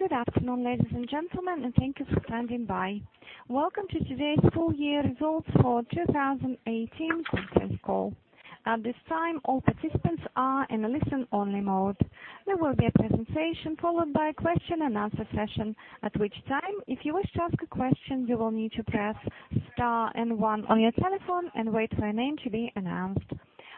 Good afternoon, ladies and gentlemen, and thank you for standing by. Welcome to today's full year results for 2018 conference call. At this time, all participants are in a listen-only mode. There will be a presentation followed by a question and answer session. At which time, if you wish to ask a question, you will need to press star and one on your telephone and wait for your name to be announced.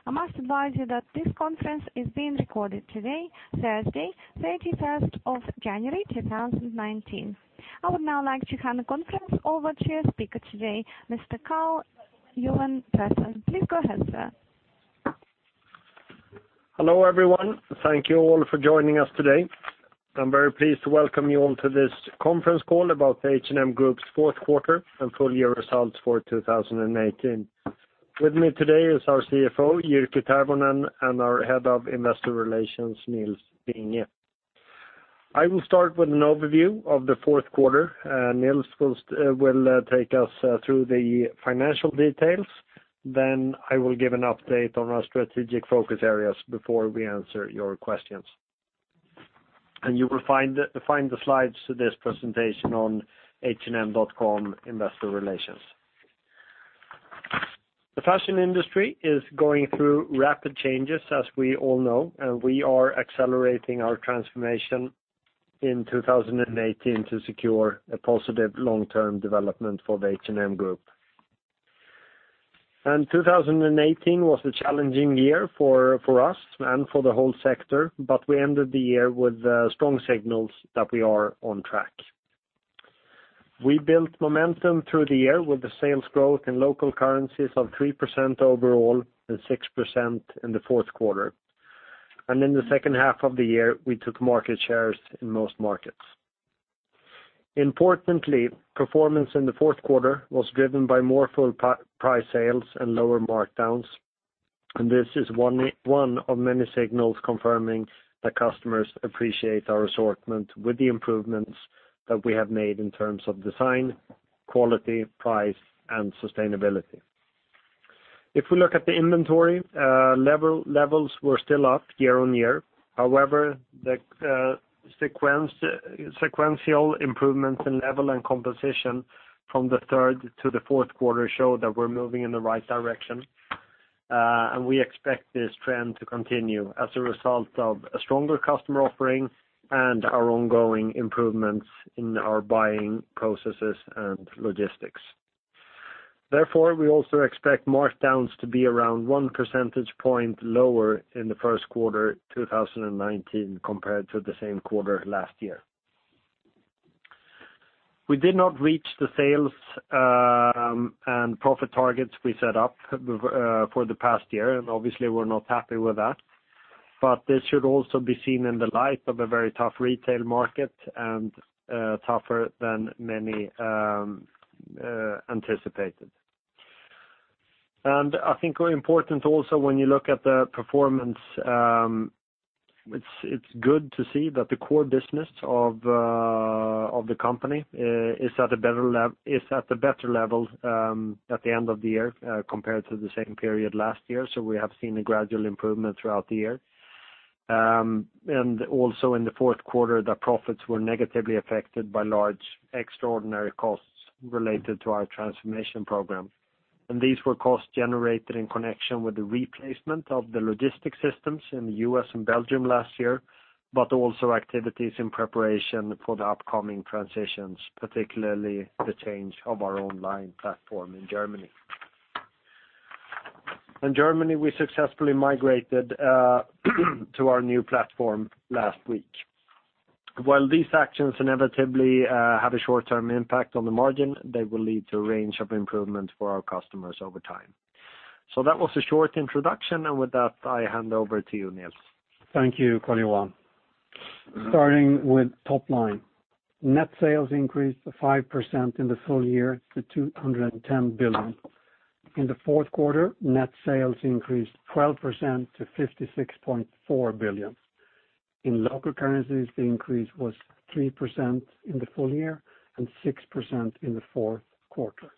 I must advise you that this conference is being recorded today, Thursday, 31st of January, 2019. I would now like to hand the conference over to your speaker today, Mr. Karl-Johan Persson. Please go ahead, sir. Hello, everyone. Thank you all for joining us today. I'm very pleased to welcome you all to this conference call about H&M Group's fourth quarter and full year results for 2018. With me today is our CFO, Jyrki Tervonen, and our Head of Investor Relations, Nils Vinge. I will start with an overview of the fourth quarter. Nils will take us through the financial details. I will give an update on our strategic focus areas before we answer your questions. You will find the slides to this presentation on hm.com Investor Relations. The fashion industry is going through rapid changes, as we all know, and we are accelerating our transformation in 2018 to secure a positive long-term development for the H&M Group. 2018 was a challenging year for us and for the whole sector, but we ended the year with strong signals that we are on track. We built momentum through the year with the sales growth in local currencies of 3% overall and 6% in the fourth quarter. In the second half of the year, we took market shares in most markets. Importantly, performance in the fourth quarter was driven by more full price sales and lower markdowns, and this is one of many signals confirming that customers appreciate our assortment with the improvements that we have made in terms of design, quality, price, and sustainability. If we look at the inventory, levels were still up year-on-year. However, the sequential improvements in level and composition from the third to the fourth quarter show that we're moving in the right direction, and we expect this trend to continue as a result of a stronger customer offering and our ongoing improvements in our buying processes and logistics. Therefore, we also expect markdowns to be around one percentage point lower in the first quarter 2019 compared to the same quarter last year. We did not reach the sales and profit targets we set up for the past year, and obviously we're not happy with that. This should also be seen in the light of a very tough retail market and tougher than many anticipated. I think important also, when you look at the performance, it's good to see that the core business of the company is at a better level at the end of the year compared to the same period last year. We have seen a gradual improvement throughout the year. Also in the fourth quarter, the profits were negatively affected by large extraordinary costs related to our transformation program. These were costs generated in connection with the replacement of the logistics systems in the U.S. and Belgium last year, but also activities in preparation for the upcoming transitions, particularly the change of our online platform in Germany. In Germany, we successfully migrated to our new platform last week. While these actions inevitably have a short-term impact on the margin, they will lead to a range of improvements for our customers over time. That was a short introduction, and with that, I hand over to you, Nils. Thank you, Karl-Johan. Starting with top line. Net sales increased 5% in the full year to 210 billion. In the fourth quarter, net sales increased 12% to 56.4 billion. In local currencies, the increase was 3% in the full year and 6% in the fourth quarter.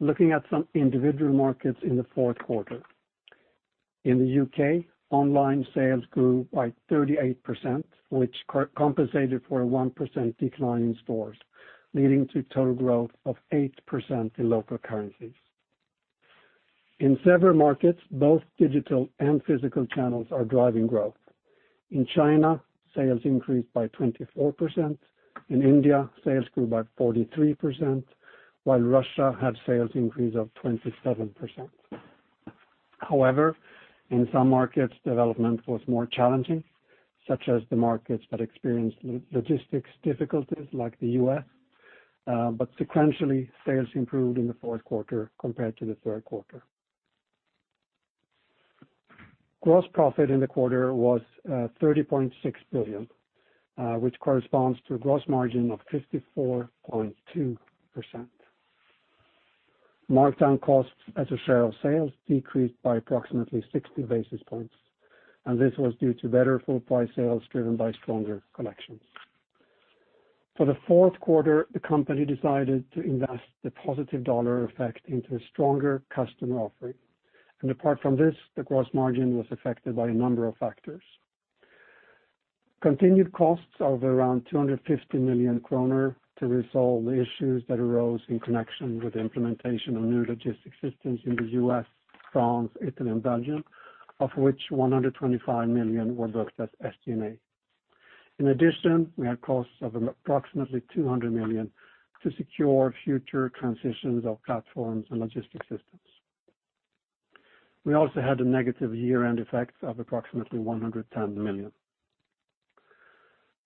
Looking at some individual markets in the fourth quarter. In the U.K., online sales grew by 38%, which compensated for a 1% decline in stores, leading to total growth of 8% in local currencies. In several markets, both digital and physical channels are driving growth. In China, sales increased by 24%. In India, sales grew by 43%, while Russia had sales increase of 27%. In some markets, development was more challenging, such as the markets that experienced logistics difficulties, like the U.S. Sequentially, sales improved in the fourth quarter compared to the third quarter. Gross profit in the quarter was 30.6 billion, which corresponds to a gross margin of 54.2%. Markdown costs as a share of sales decreased by approximately 60 basis points. This was due to better full price sales driven by stronger collections. For the fourth quarter, the company decided to invest the positive US dollar effect into a stronger customer offering. Apart from this, the gross margin was affected by a number of factors. Continued costs of around 250 million kronor to resolve the issues that arose in connection with the implementation of new logistic systems in the U.S., France, Italy, and Belgium, of which 125 million were booked as SG&A. In addition, we had costs of approximately 200 million to secure future transitions of platforms and logistic systems. We also had a negative year-end effect of approximately 110 million.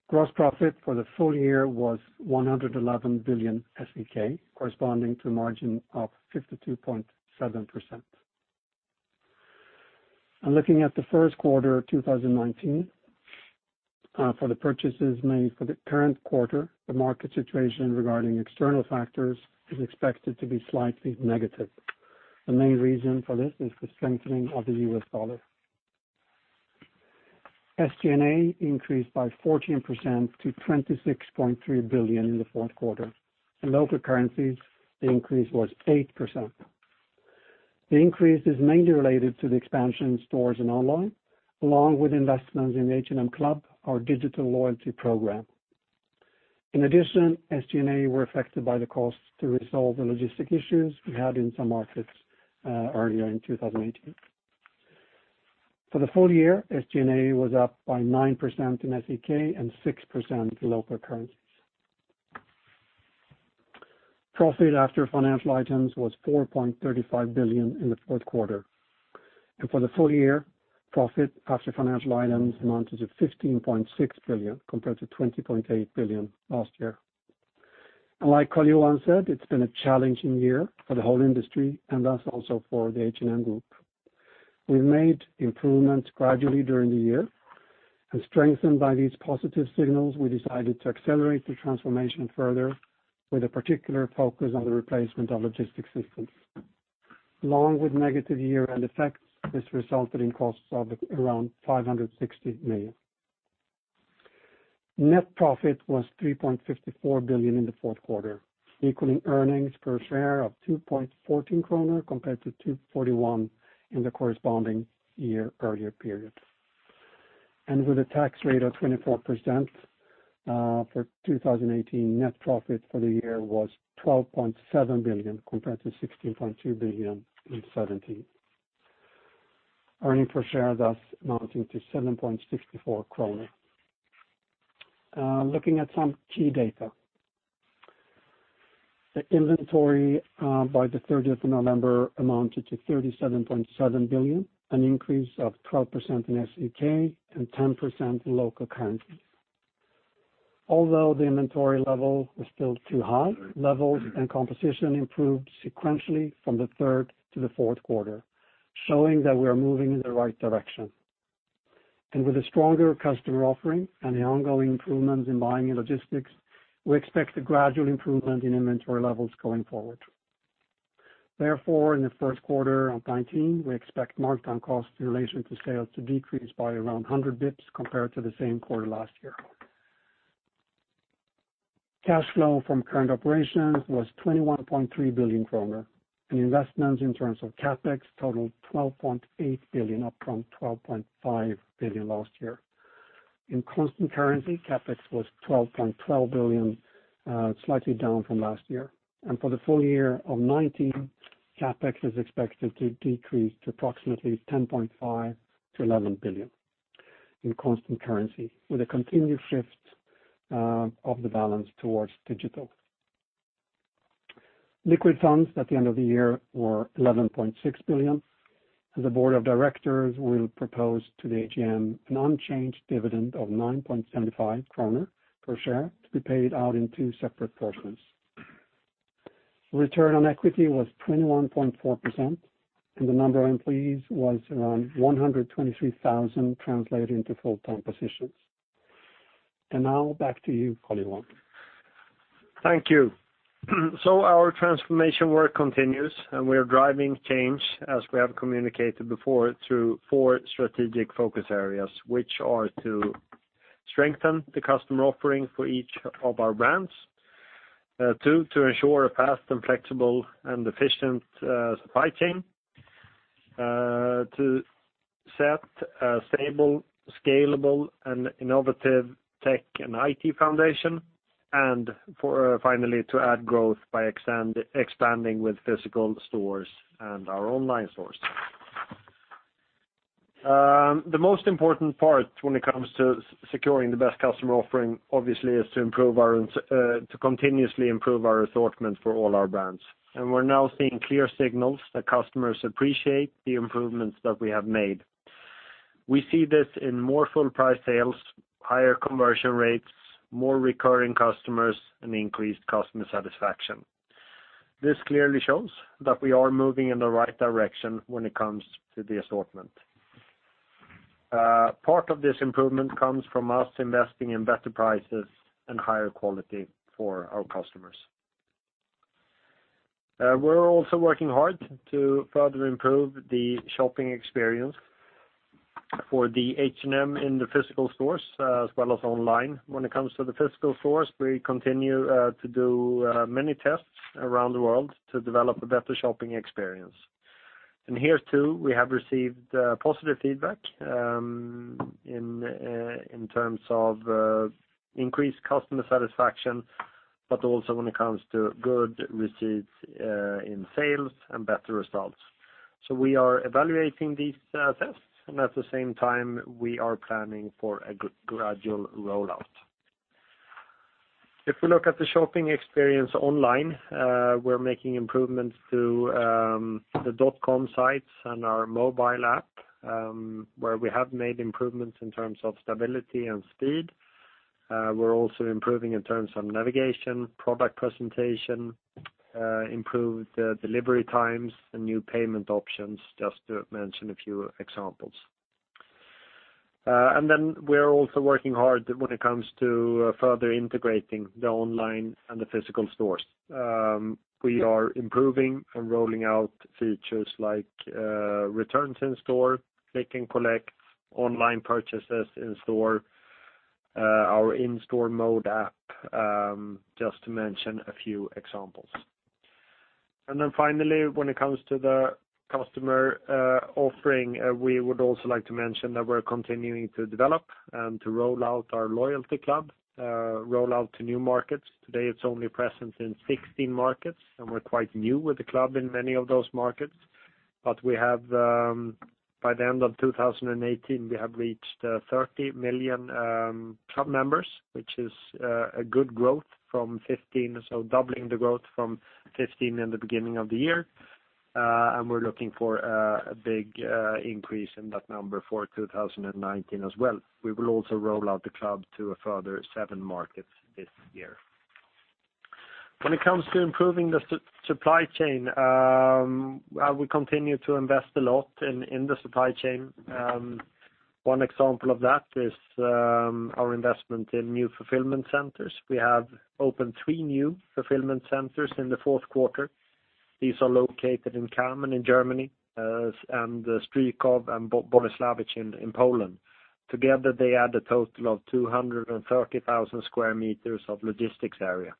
Gross profit for the full year was 111 billion SEK, corresponding to a margin of 52.7%. Looking at the first quarter of 2019, for the purchases made for the current quarter, the market situation regarding external factors is expected to be slightly negative. The main reason for this is the strengthening of the US dollar. SG&A increased by 14% to 26.3 billion in the fourth quarter. In local currencies, the increase was 8%. The increase is mainly related to the expansion in stores and online, along with investments in H&M Club, our digital loyalty program. In addition, SG&A were affected by the cost to resolve the logistic issues we had in some markets earlier in 2018. For the full year, SG&A was up by 9% in SEK and 6% in local currencies. Profit after financial items was 4.35 billion in the fourth quarter. For the full year, profit after financial items amounted to 15.6 billion, compared to 20.8 billion last year. Like Karl-Johan said, it's been a challenging year for the whole industry and thus also for the H&M Group. We've made improvements gradually during the year and strengthened by these positive signals, we decided to accelerate the transformation further, with a particular focus on the replacement of logistic systems. Along with negative year-end effects, this resulted in costs of around 560 million. Net profit was 3.54 billion in the fourth quarter, equaling earnings per share of 2.14 kronor compared to 2.41 in the corresponding year earlier period. With a tax rate of 24% for 2018, net profit for the year was 12.7 billion, compared to 16.2 billion in 2017. Earnings per share, thus amounting to 7.64 kronor. Looking at some key data. The inventory by the 30th of November amounted to 37.7 billion, an increase of 12% in SEK and 10% in local currency. Although the inventory level is still too high, levels and composition improved sequentially from the third to the fourth quarter, showing that we are moving in the right direction. With a stronger customer offering and the ongoing improvements in buying and logistics, we expect a gradual improvement in inventory levels going forward. Therefore, in the first quarter of 2019, we expect markdown costs in relation to sales to decrease by around 100 basis points compared to the same quarter last year. Cash flow from current operations was 21.3 billion kronor, and investments in terms of CapEx totaled 12.8 billion, up from 12.5 billion last year. In constant currency, CapEx was 12.12 billion, slightly down from last year. For the full year of 2019, CapEx is expected to decrease to approximately 10.5 billion-11 billion in constant currency, with a continued shift of the balance towards digital. Liquid funds at the end of the year were 11.6 billion. The board of directors will propose to the AGM an unchanged dividend of 9.75 kronor per share to be paid out in two separate portions. Return on equity was 21.4%, and the number of employees was around 123,000 translated into full-time positions. Now, back to you, Karl-Johan. Thank you. Our transformation work continues, and we are driving change, as we have communicated before, through four strategic focus areas, which are to strengthen the customer offering for each of our brands. Two, to ensure a fast and flexible and efficient supply chain. To set a stable, scalable, and innovative tech and IT foundation, and finally, to add growth by expanding with physical stores and our online stores. The most important part when it comes to securing the best customer offering, obviously, is to continuously improve our assortment for all our brands. We're now seeing clear signals that customers appreciate the improvements that we have made. We see this in more full price sales, higher conversion rates, more recurring customers, and increased customer satisfaction. This clearly shows that we are moving in the right direction when it comes to the assortment. Part of this improvement comes from us investing in better prices and higher quality for our customers. We're also working hard to further improve the shopping experience for H&M in the physical stores as well as online. When it comes to the physical stores, we continue to do many tests around the world to develop a better shopping experience. Here, too, we have received positive feedback, in terms of increased customer satisfaction, but also when it comes to good results in sales and better results. We are evaluating these tests and at the same time, we are planning for a gradual rollout. If we look at the shopping experience online, we're making improvements to the .com sites and our mobile app, where we have made improvements in terms of stability and speed. We're also improving in terms of navigation, product presentation, improved delivery times, and new payment options, just to mention a few examples. We're also working hard when it comes to further integrating the online and the physical stores. We are improving and rolling out features like returns in store, click and collect, online purchases in store, our in-store mode app, just to mention a few examples. Finally, when it comes to the customer offering, we would also like to mention that we're continuing to develop and to roll out our loyalty club, roll out to new markets. Today, it's only present in 16 markets, and we're quite new with the club in many of those markets. By the end of 2018, we have reached 30 million club members, which is a good growth from 15. Doubling from 15 million in the beginning of the year. We're looking for a big increase in that number for 2019 as well. We will also roll out the club to a further seven markets this year. When it comes to improving the supply chain, we continue to invest a lot in the supply chain. One example of that is our investment in new fulfillment centers. We have opened three new fulfillment centers in the fourth quarter. These are located in Kamen in Germany, and Stryków and Bolesławiec in Poland. Together, they add a total of 230,000 square meters of logistics area.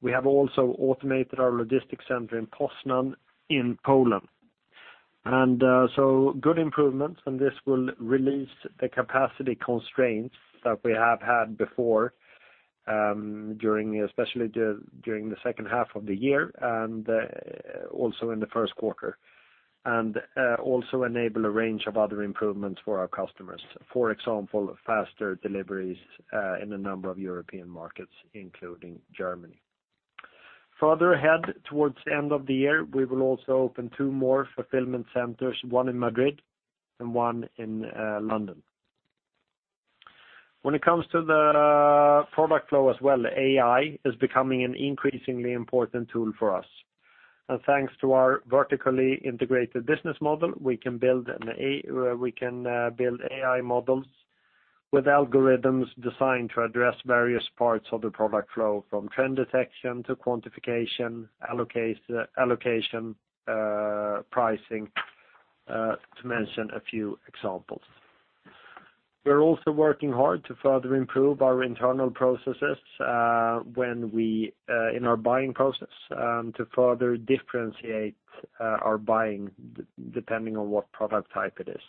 We have also automated our logistics center in Poznań in Poland. Good improvements, and this will release the capacity constraints that we have had before, especially during the second half of the year and also in the first quarter. Also enable a range of other improvements for our customers. For example, faster deliveries in a number of European markets, including Germany. Further ahead towards the end of the year, we will also open two more fulfillment centers, one in Madrid and one in London. When it comes to the product flow as well, AI is becoming an increasingly important tool for us. Thanks to our vertically integrated business model, we can build AI models with algorithms designed to address various parts of the product flow, from trend detection to quantification, allocation, pricing, to mention a few examples. We're also working hard to further improve our internal processes, in our buying process, to further differentiate our buying depending on what product type it is.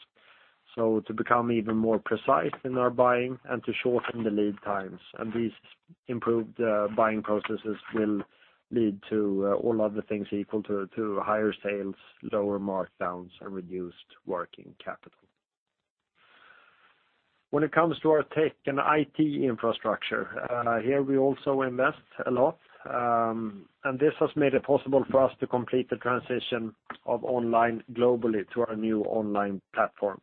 To become even more precise in our buying and to shorten the lead times, these improved buying processes will lead to all other things equal to higher sales, lower markdowns, and reduced working capital. When it comes to our tech and IT infrastructure, here we also invest a lot. This has made it possible for us to complete the transition of online globally to our new online platform.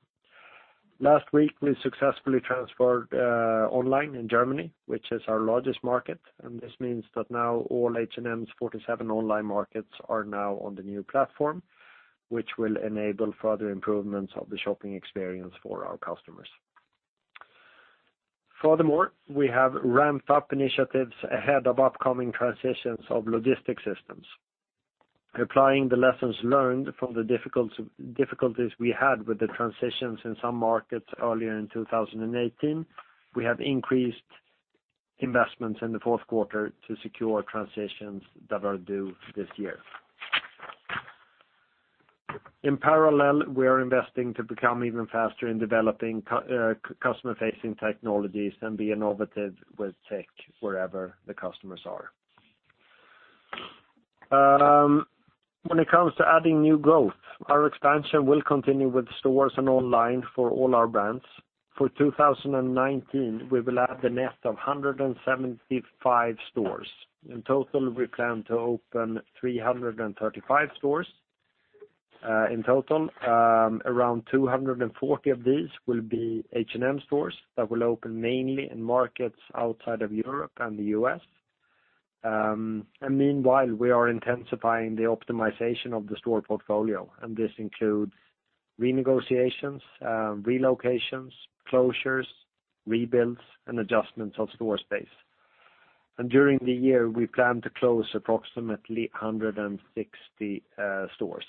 Last week, we successfully transferred online in Germany, which is our largest market, and this means that now all H&M's 47 online markets are now on the new platform, which will enable further improvements of the shopping experience for our customers. Furthermore, we have ramped up initiatives ahead of upcoming transitions of logistics systems. Applying the lessons learned from the difficulties we had with the transitions in some markets earlier in 2018, we have increased investments in the fourth quarter to secure transitions that are due this year. In parallel, we are investing to become even faster in developing customer-facing technologies and be innovative with tech wherever the customers are. When it comes to adding new growth, our expansion will continue with stores and online for all our brands. For 2019, we will add a net of 175 stores. In total, we plan to open 335 stores. In total, around 240 of these will be H&M stores that will open mainly in markets outside of Europe and the U.S. Meanwhile, we are intensifying the optimization of the store portfolio, and this includes renegotiations, relocations, closures, rebuilds, and adjustments of store space. During the year, we plan to close approximately 160 stores.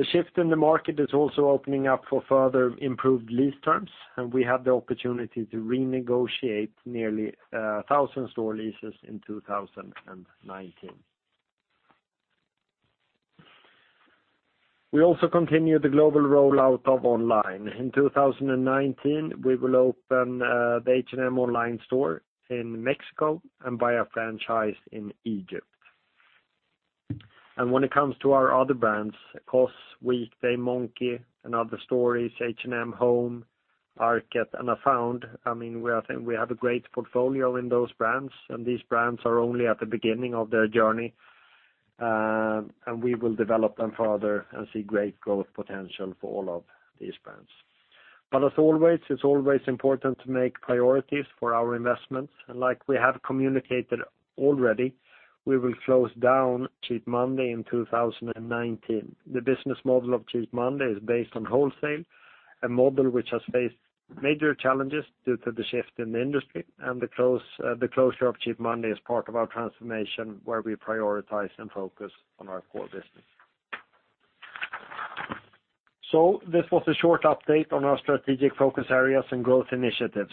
The shift in the market is also opening up for further improved lease terms, and we have the opportunity to renegotiate nearly 1,000 store leases in 2019. We also continue the global rollout of online. In 2019, we will open the H&M online store in Mexico and via franchise in Egypt. When it comes to our other brands, COS, Weekday, Monki, & Other Stories, H&M HOME, ARKET, and Afound, I think we have a great portfolio in those brands, and these brands are only at the beginning of their journey. We will develop them further and see great growth potential for all of these brands. As always, it's always important to make priorities for our investments. Like we have communicated already, we will close down Cheap Monday in 2019. The business model of Cheap Monday is based on wholesale, a model which has faced major challenges due to the shift in the industry, and the closure of Cheap Monday is part of our transformation where we prioritize and focus on our core business. This was a short update on our strategic focus areas and growth initiatives.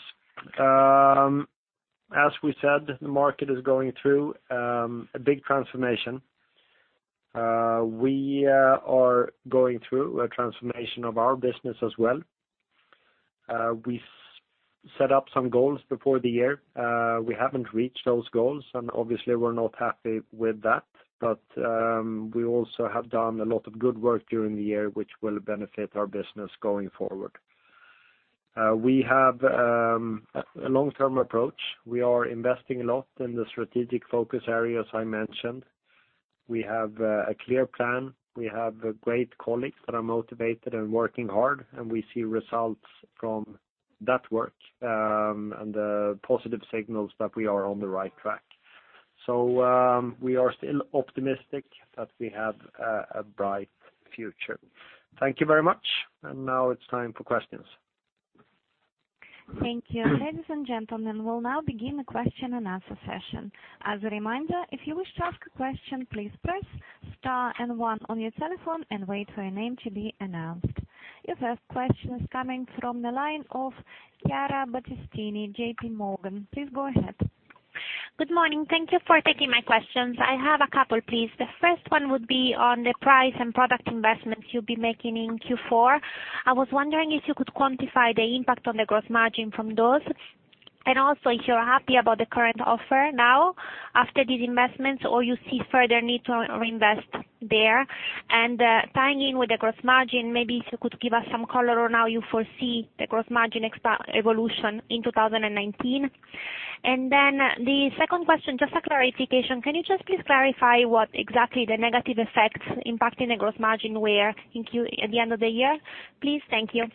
As we said, the market is going through a big transformation. We are going through a transformation of our business as well. We set up some goals before the year. We haven't reached those goals, and obviously we're not happy with that. We also have done a lot of good work during the year, which will benefit our business going forward. We have a long-term approach. We are investing a lot in the strategic focus areas I mentioned. We have a clear plan. We have great colleagues that are motivated and working hard, and we see results from that work, and the positive signals that we are on the right track. We are still optimistic that we have a bright future. Thank you very much, and now it's time for questions. Thank you. Ladies and gentlemen, we'll now begin the question and answer session. As a reminder, if you wish to ask a question, please press star and one on your telephone and wait for your name to be announced. Your first question is coming from the line of Chiara Battistini, JPMorgan. Please go ahead. Good morning. Thank you for taking my questions. I have a couple, please. The first one would be on the price and product investments you'll be making in Q4. I was wondering if you could quantify the impact on the gross margin from those, and also if you're happy about the current offer now after these investments, or you see further need to reinvest there. Tying in with the gross margin, maybe if you could give us some color on how you foresee the gross margin evolution in 2019. Then the second question, just a clarification. Can you just please clarify what exactly the negative effects impacting the gross margin were at the end of the year, please? Thank you.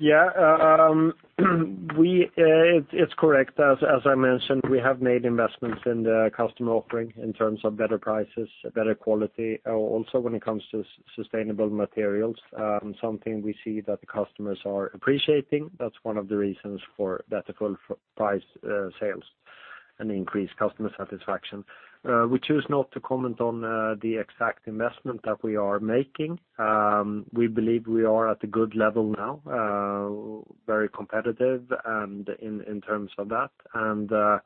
Yeah. It's correct. As I mentioned, we have made investments in the customer offering in terms of better prices, better quality. Also when it comes to sustainable materials, something we see that the customers are appreciating. That's one of the reasons for better full price sales and increased customer satisfaction. We choose not to comment on the exact investment that we are making. We believe we are at a good level now, very competitive, and in terms of that.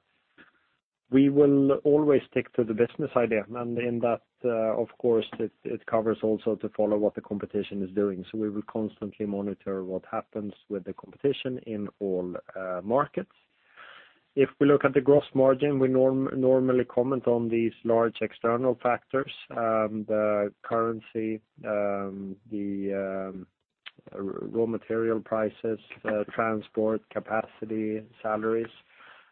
We will always stick to the business idea. In that, of course, it covers also to follow what the competition is doing. We will constantly monitor what happens with the competition in all markets. If we look at the gross margin, we normally comment on these large external factors, the currency, the raw material prices, transport, capacity, salaries,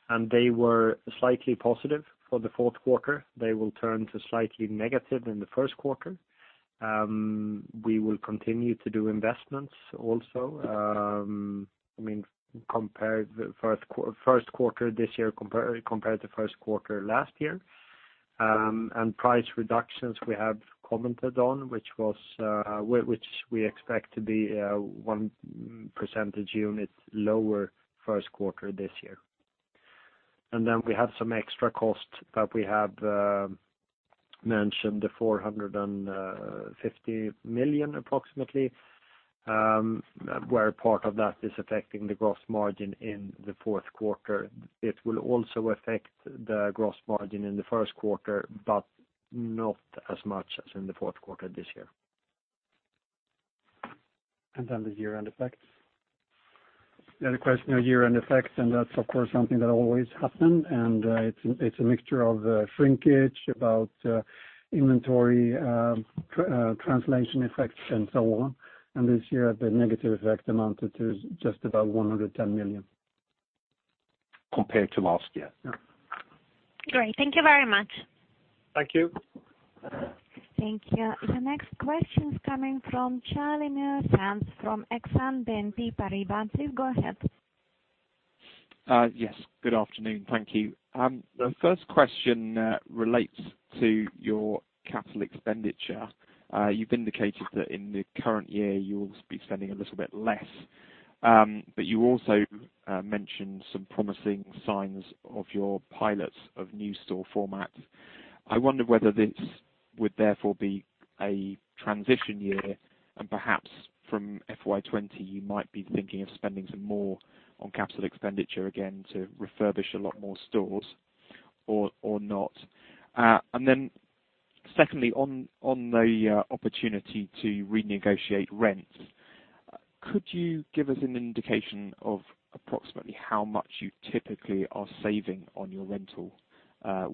and they were slightly positive for the fourth quarter. They will turn to slightly negative in the first quarter. We will continue to do investments also, first quarter this year compared to first quarter last year. Price reductions we have commented on, which we expect to be one percentage unit lower first quarter this year. We have some extra cost that we have mentioned, the 450 million approximately, where part of that is affecting the gross margin in the fourth quarter. It will also affect the gross margin in the first quarter, but not as much as in the fourth quarter this year. The year-end effects. The request, no year-end effects, that's of course something that always happens, it's a mixture of shrinkage, inventory translation effects, and so on. This year, the negative effect amounted to just about 110 million. Compared to last year. Great. Thank you very much. Thank you. Thank you. The next question is coming from Charlie Muir-Sands from Exane BNP Paribas. Please go ahead. Yes. Good afternoon. Thank you. The first question relates to your capital expenditure. You've indicated that in the current year you'll be spending a little bit less. You also mentioned some promising signs of your pilots of new store format. I wonder whether this would therefore be a transition year and perhaps from FY 2020, you might be thinking of spending some more on capital expenditure again to refurbish a lot more stores or not. Secondly, on the opportunity to renegotiate rents, could you give us an indication of approximately how much you typically are saving on your rental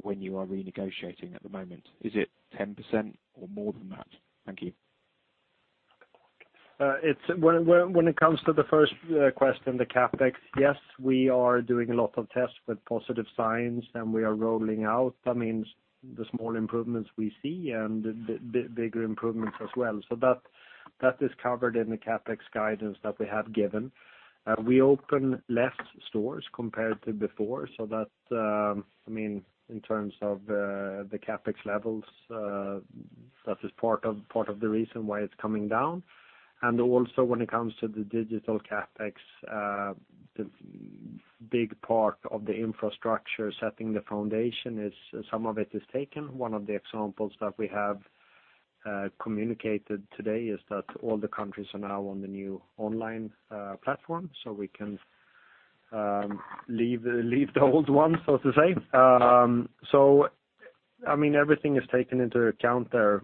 when you are renegotiating at the moment? Is it 10% or more than that? Thank you. When it comes to the first question, the CapEx, yes, we are doing a lot of tests with positive signs, and we are rolling out. That means the small improvements we see and bigger improvements as well. That is covered in the CapEx guidance that we have given. We open less stores compared to before. That, in terms of the CapEx levels, that is part of the reason why it's coming down. Also when it comes to the digital CapEx, the big part of the infrastructure, setting the foundation, some of it is taken. One of the examples that we have communicated today is that all the countries are now on the new online platform, so we can leave the old one, so to say. Everything is taken into account there,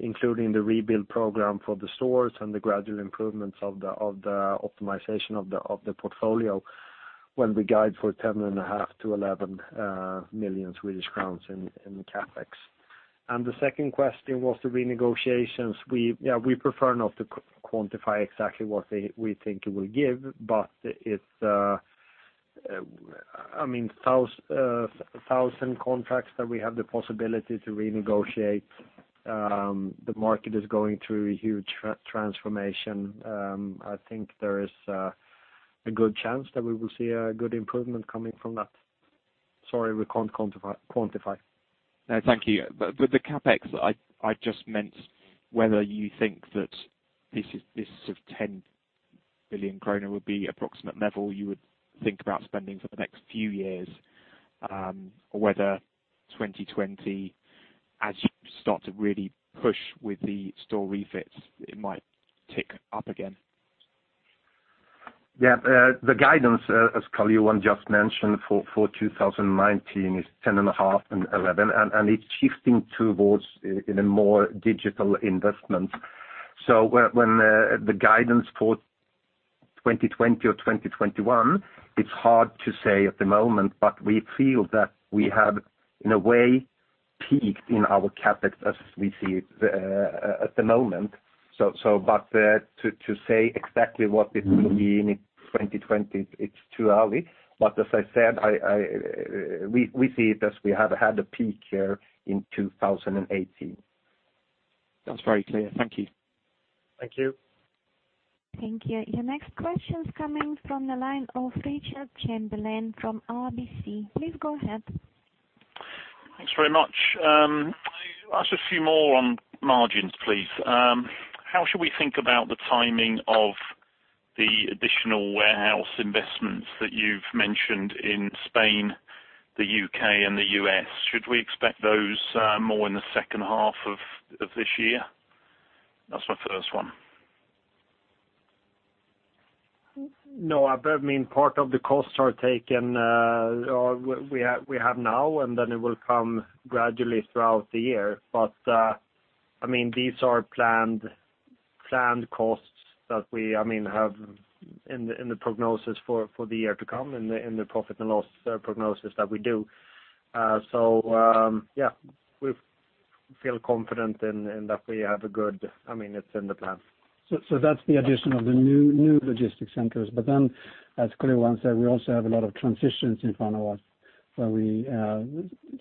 including the rebuild program for the stores and the gradual improvements of the optimization of the portfolio when we guide for 10.5 billion-11 billion Swedish crowns in CapEx. The second question was the renegotiations. We prefer not to quantify exactly what we think it will give. It's 1,000 contracts that we have the possibility to renegotiate. The market is going through a huge transformation. I think there is a good chance that we will see a good improvement coming from that. Sorry, we can't quantify. No, thank you. With the CapEx, I just meant whether you think that this sort of 10 billion kronor would be approximate level you would think about spending for the next few years, or whether 2020, as you start to really push with the store refits, it might tick up again. Yeah. The guidance, as Karl-Johan just mentioned for 2019 is 10.5 billion and 11 billion, it's shifting towards in a more digital investment. When the guidance for 2020 or 2021, it's hard to say at the moment, we feel that we have, in a way, peaked in our CapEx as we see it at the moment. To say exactly what it will be in 2020, it's too early. As I said, we see it as we have had a peak here in 2018. That's very clear. Thank you. Thank you. Thank you. Your next question is coming from the line of Richard Chamberlain from RBC. Please go ahead. Thanks very much. I ask a few more on margins, please. How should we think about the timing of the additional warehouse investments that you've mentioned in Spain, the U.K., and the U.S.? Should we expect those more in the second half of this year? That's my first one. Part of the costs are taken, or we have now, and then it will come gradually throughout the year. These are planned costs that we have in the prognosis for the year to come, in the profit and loss prognosis that we do. Yeah, we feel confident in that we have a good, it's in the plan. That's the addition of the new logistics centers. As Karl-Johan said, we also have a lot of transitions in front of us,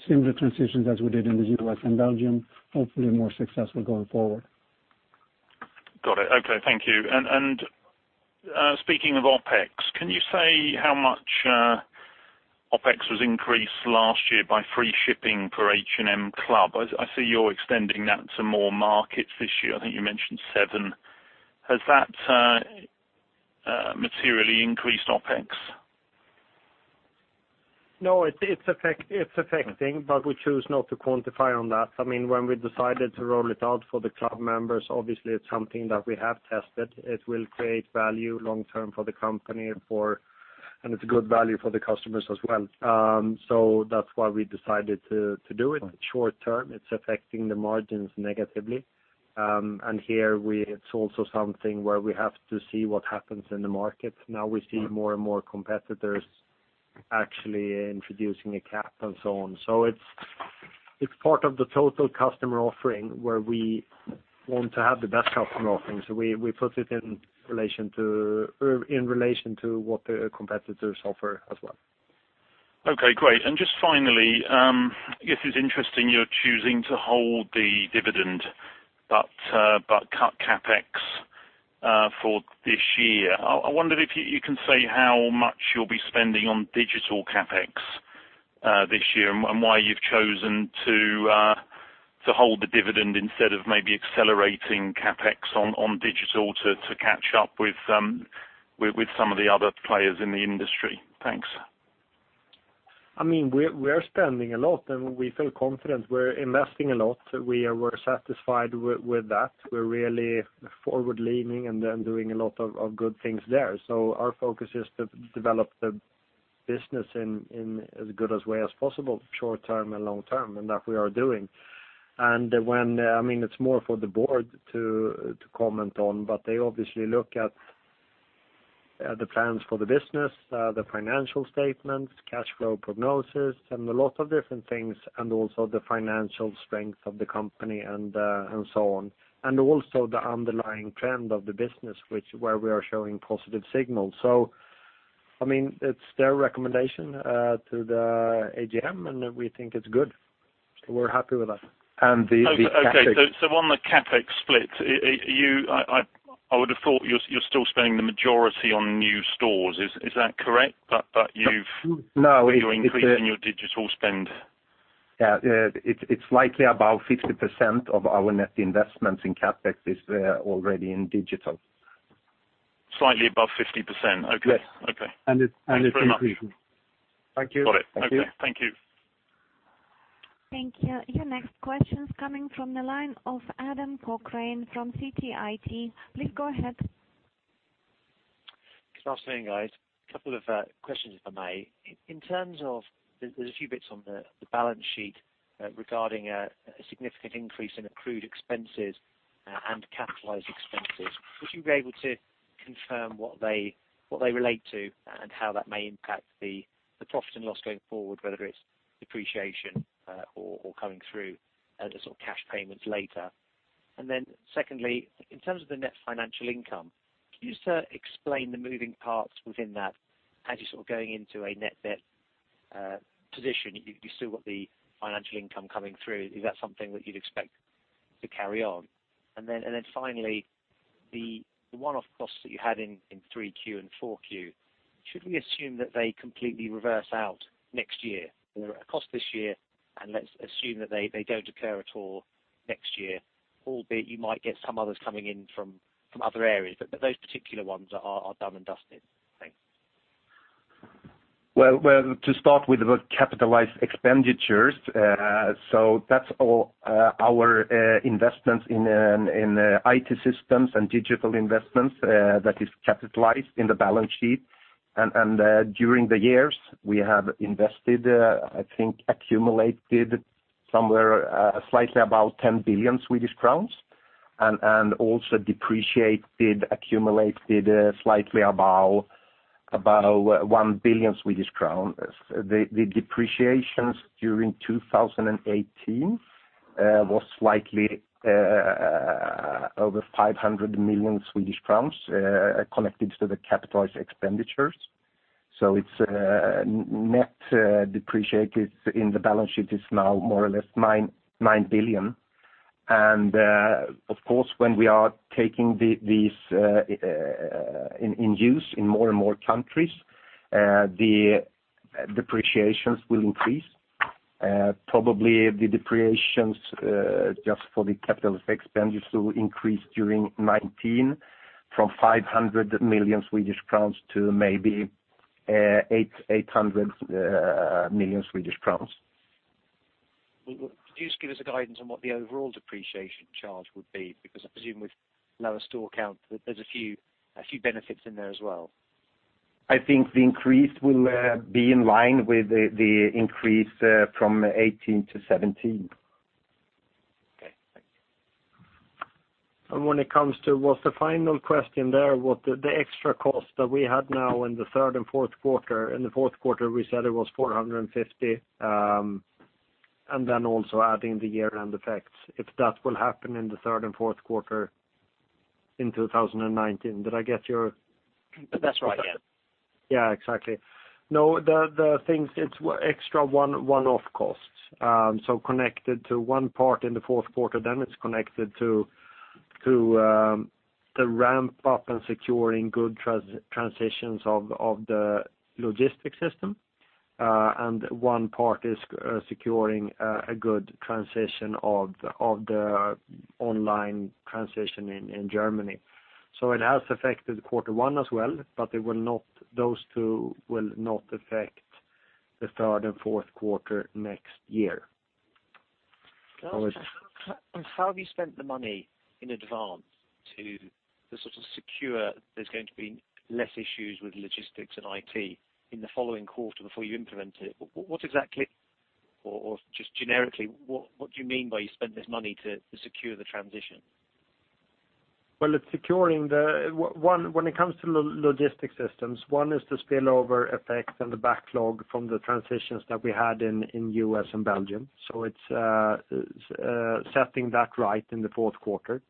similar transitions as we did in the U.S. and Belgium. Hopefully, more successful going forward. Got it. Okay, thank you. Speaking of OpEx, can you say how much OpEx was increased last year by free shipping for H&M Club? I see you're extending that to more markets this year. I think you mentioned seven. Has that materially increased OpEx? No, it's affecting, but we choose not to quantify on that. When we decided to roll it out for the club members, obviously, it's something that we have tested. It will create value long term for the company, and it's good value for the customers as well. That's why we decided to do it. Short term, it's affecting the margins negatively. Here, it's also something where we have to see what happens in the market. Now we see more and more competitors actually introducing a cap and so on. It's part of the total customer offering where we want to have the best customer offering. We put it in relation to what the competitors offer as well. Okay, great. Just finally, I guess it's interesting you're choosing to hold the dividend but cut CapEx for this year. I wondered if you can say how much you'll be spending on digital CapEx this year, and why you've chosen to hold the dividend instead of maybe accelerating CapEx on digital to catch up with some of the other players in the industry. Thanks. We're spending a lot and we feel confident. We're investing a lot. We are well satisfied with that. We're really forward-leaning and doing a lot of good things there. Our focus is to develop the business in as good as way as possible, short term and long term, and that we are doing. It's more for the board to comment on, but they obviously look at the plans for the business, the financial statements, cash flow prognosis, and a lot of different things, and also the financial strength of the company and so on. Also the underlying trend of the business, where we are showing positive signals. It's their recommendation to the AGM, and we think it's good. We're happy with that. The CapEx- Okay. On the CapEx split, I would have thought you're still spending the majority on new stores. Is that correct? No you're increasing your digital spend. Yeah. It's likely about 50% of our net investments in CapEx is already in digital. Slightly above 50%? Okay. Yes. Okay. It's increasing. Thanks very much. Thank you. Got it. Okay. Thank you. Thank you. Your next question is coming from the line of Adam Cochrane from Citi. Please go ahead. Good afternoon, guys. Couple of questions, if I may. In terms of, there's a few bits on the balance sheet regarding a significant increase in accrued expenses and capitalized expenses. Would you be able to confirm what they relate to, and how that may impact the profit and loss going forward, whether it's depreciation or coming through as cash payments later? Secondly, in terms of the net financial income, could you just explain the moving parts within that as you're going into a net debt position, you still got the financial income coming through. Is that something that you'd expect to carry on? Finally, the one-off costs that you had in 3Q and 4Q, should we assume that they completely reverse out next year? They were a cost this year. Let's assume that they don't occur at all next year, albeit you might get some others coming in from other areas. Those particular ones are done and dusted. Thanks. To start with the capitalized expenditures, that's all our investments in IT systems and digital investments that is capitalized in the balance sheet. During the years, we have invested, I think, accumulated somewhere slightly above 10 billion Swedish crowns. Also depreciated, accumulated slightly above 1 billion Swedish crowns. The depreciations during 2018 was slightly over 500 million Swedish crowns, connected to the capitalized expenditures. Its net depreciate in the balance sheet is now more or less 9 billion. Of course, when we are taking these in use in more and more countries, the depreciations will increase. Probably the depreciations just for the capitalized expenditures will increase during 2019 from 500 million Swedish crowns to maybe 800 million Swedish crowns. Could you just give us a guidance on what the overall depreciation charge would be? Because I presume with lower store count, there's a few benefits in there as well. I think the increase will be in line with the increase from 2018 to 2017. Okay, thanks. When it comes to, what's the final question there? What the extra cost that we had now in the third and fourth quarter, in the fourth quarter, we said it was 450, also adding the year-end effects, if that will happen in the third and fourth quarter in 2019. Did I get your? That's right, yeah. Yeah, exactly. No, the things, it's extra one-off costs. Connected to one part in the fourth quarter, it's connected to the ramp up and securing good transitions of the logistics system. One part is securing a good transition of the online transition in Germany. It has affected quarter one as well, but those two will not affect the third and fourth quarter next year. How have you spent the money in advance to the sort of secure, there's going to be less issues with logistics and IT in the following quarter before you implement it? What exactly, or just generically, what do you mean by you spent this money to secure the transition? Well, it's securing the one, when it comes to logistics systems, one is the spillover effect and the backlog from the transitions that we had in U.S. and Belgium. It's setting that right in the fourth quarter.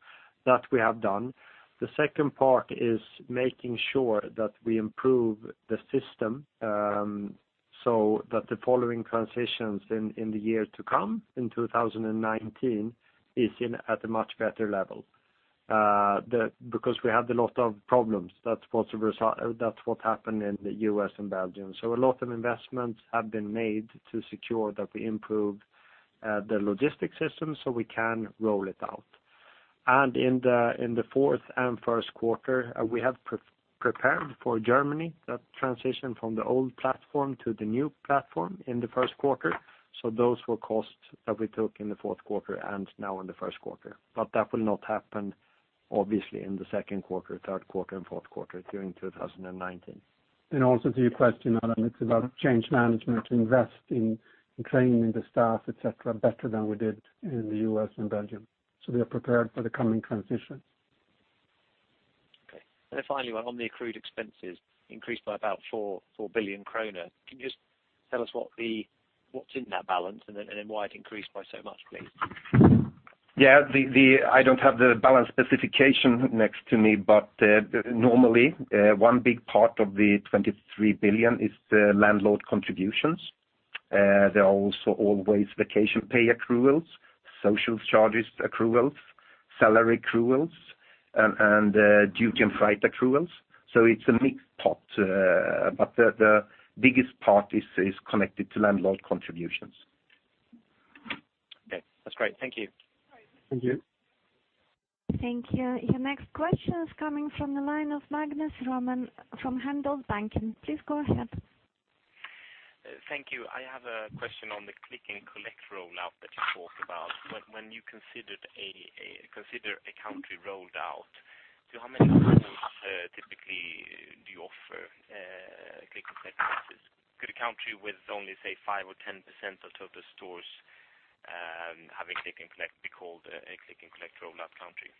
That we have done. The second part is making sure that we improve the system. That the following transitions in the year to come, in 2019, is at a much better level. We had a lot of problems, that's what happened in the U.S. and Belgium. A lot of investments have been made to secure that we improve the logistics system so we can roll it out. In the fourth and first quarter, we have prepared for Germany, that transition from the old platform to the new platform in the first quarter. Those were costs that we took in the fourth quarter and now in the first quarter. That will not happen, obviously, in the second quarter, third quarter, and fourth quarter during 2019. Also to your question, Adam, it's about change management, to invest in training the staff, et cetera, better than we did in the U.S. and Belgium. We are prepared for the coming transition. Okay. Finally, on the accrued expenses increased by about 4 billion kronor, can you just tell us what's in that balance, and then why it increased by so much, please? Yeah. I don't have the balance specification next to me, normally, one big part of the 23 billion is the landlord contributions. There are also always vacation pay accruals, social charges accruals, salary accruals, and duty and freight accruals. It's a mixed pot. The biggest part is connected to landlord contributions. Okay. That's great. Thank you. Thank you. Thank you. Your next question is coming from the line of Magnus Råman from Handelsbanken. Please go ahead. Thank you. I have a question on the click and collect rollout that you talked about. When you consider a country rollout, to how many customers typically do you offer click and collect services? Could a country with only, say, 5% or 10% of total stores having click and collect be called a click and collect rollout country?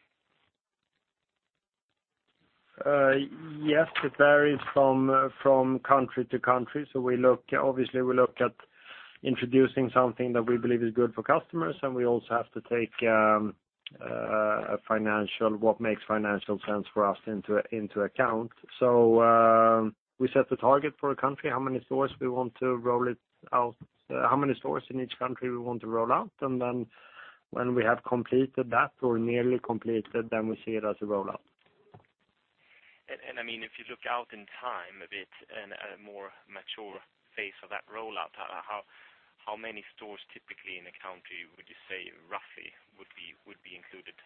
Yes, it varies from country to country. Obviously, we look at introducing something that we believe is good for customers, and we also have to take what makes financial sense for us into account. We set a target for a country, how many stores in each country we want to roll out, when we have completed that or nearly completed, we see it as a rollout. If you look out in time a bit and a more mature phase of that rollout, how many stores typically in a country would you say, roughly, would be included?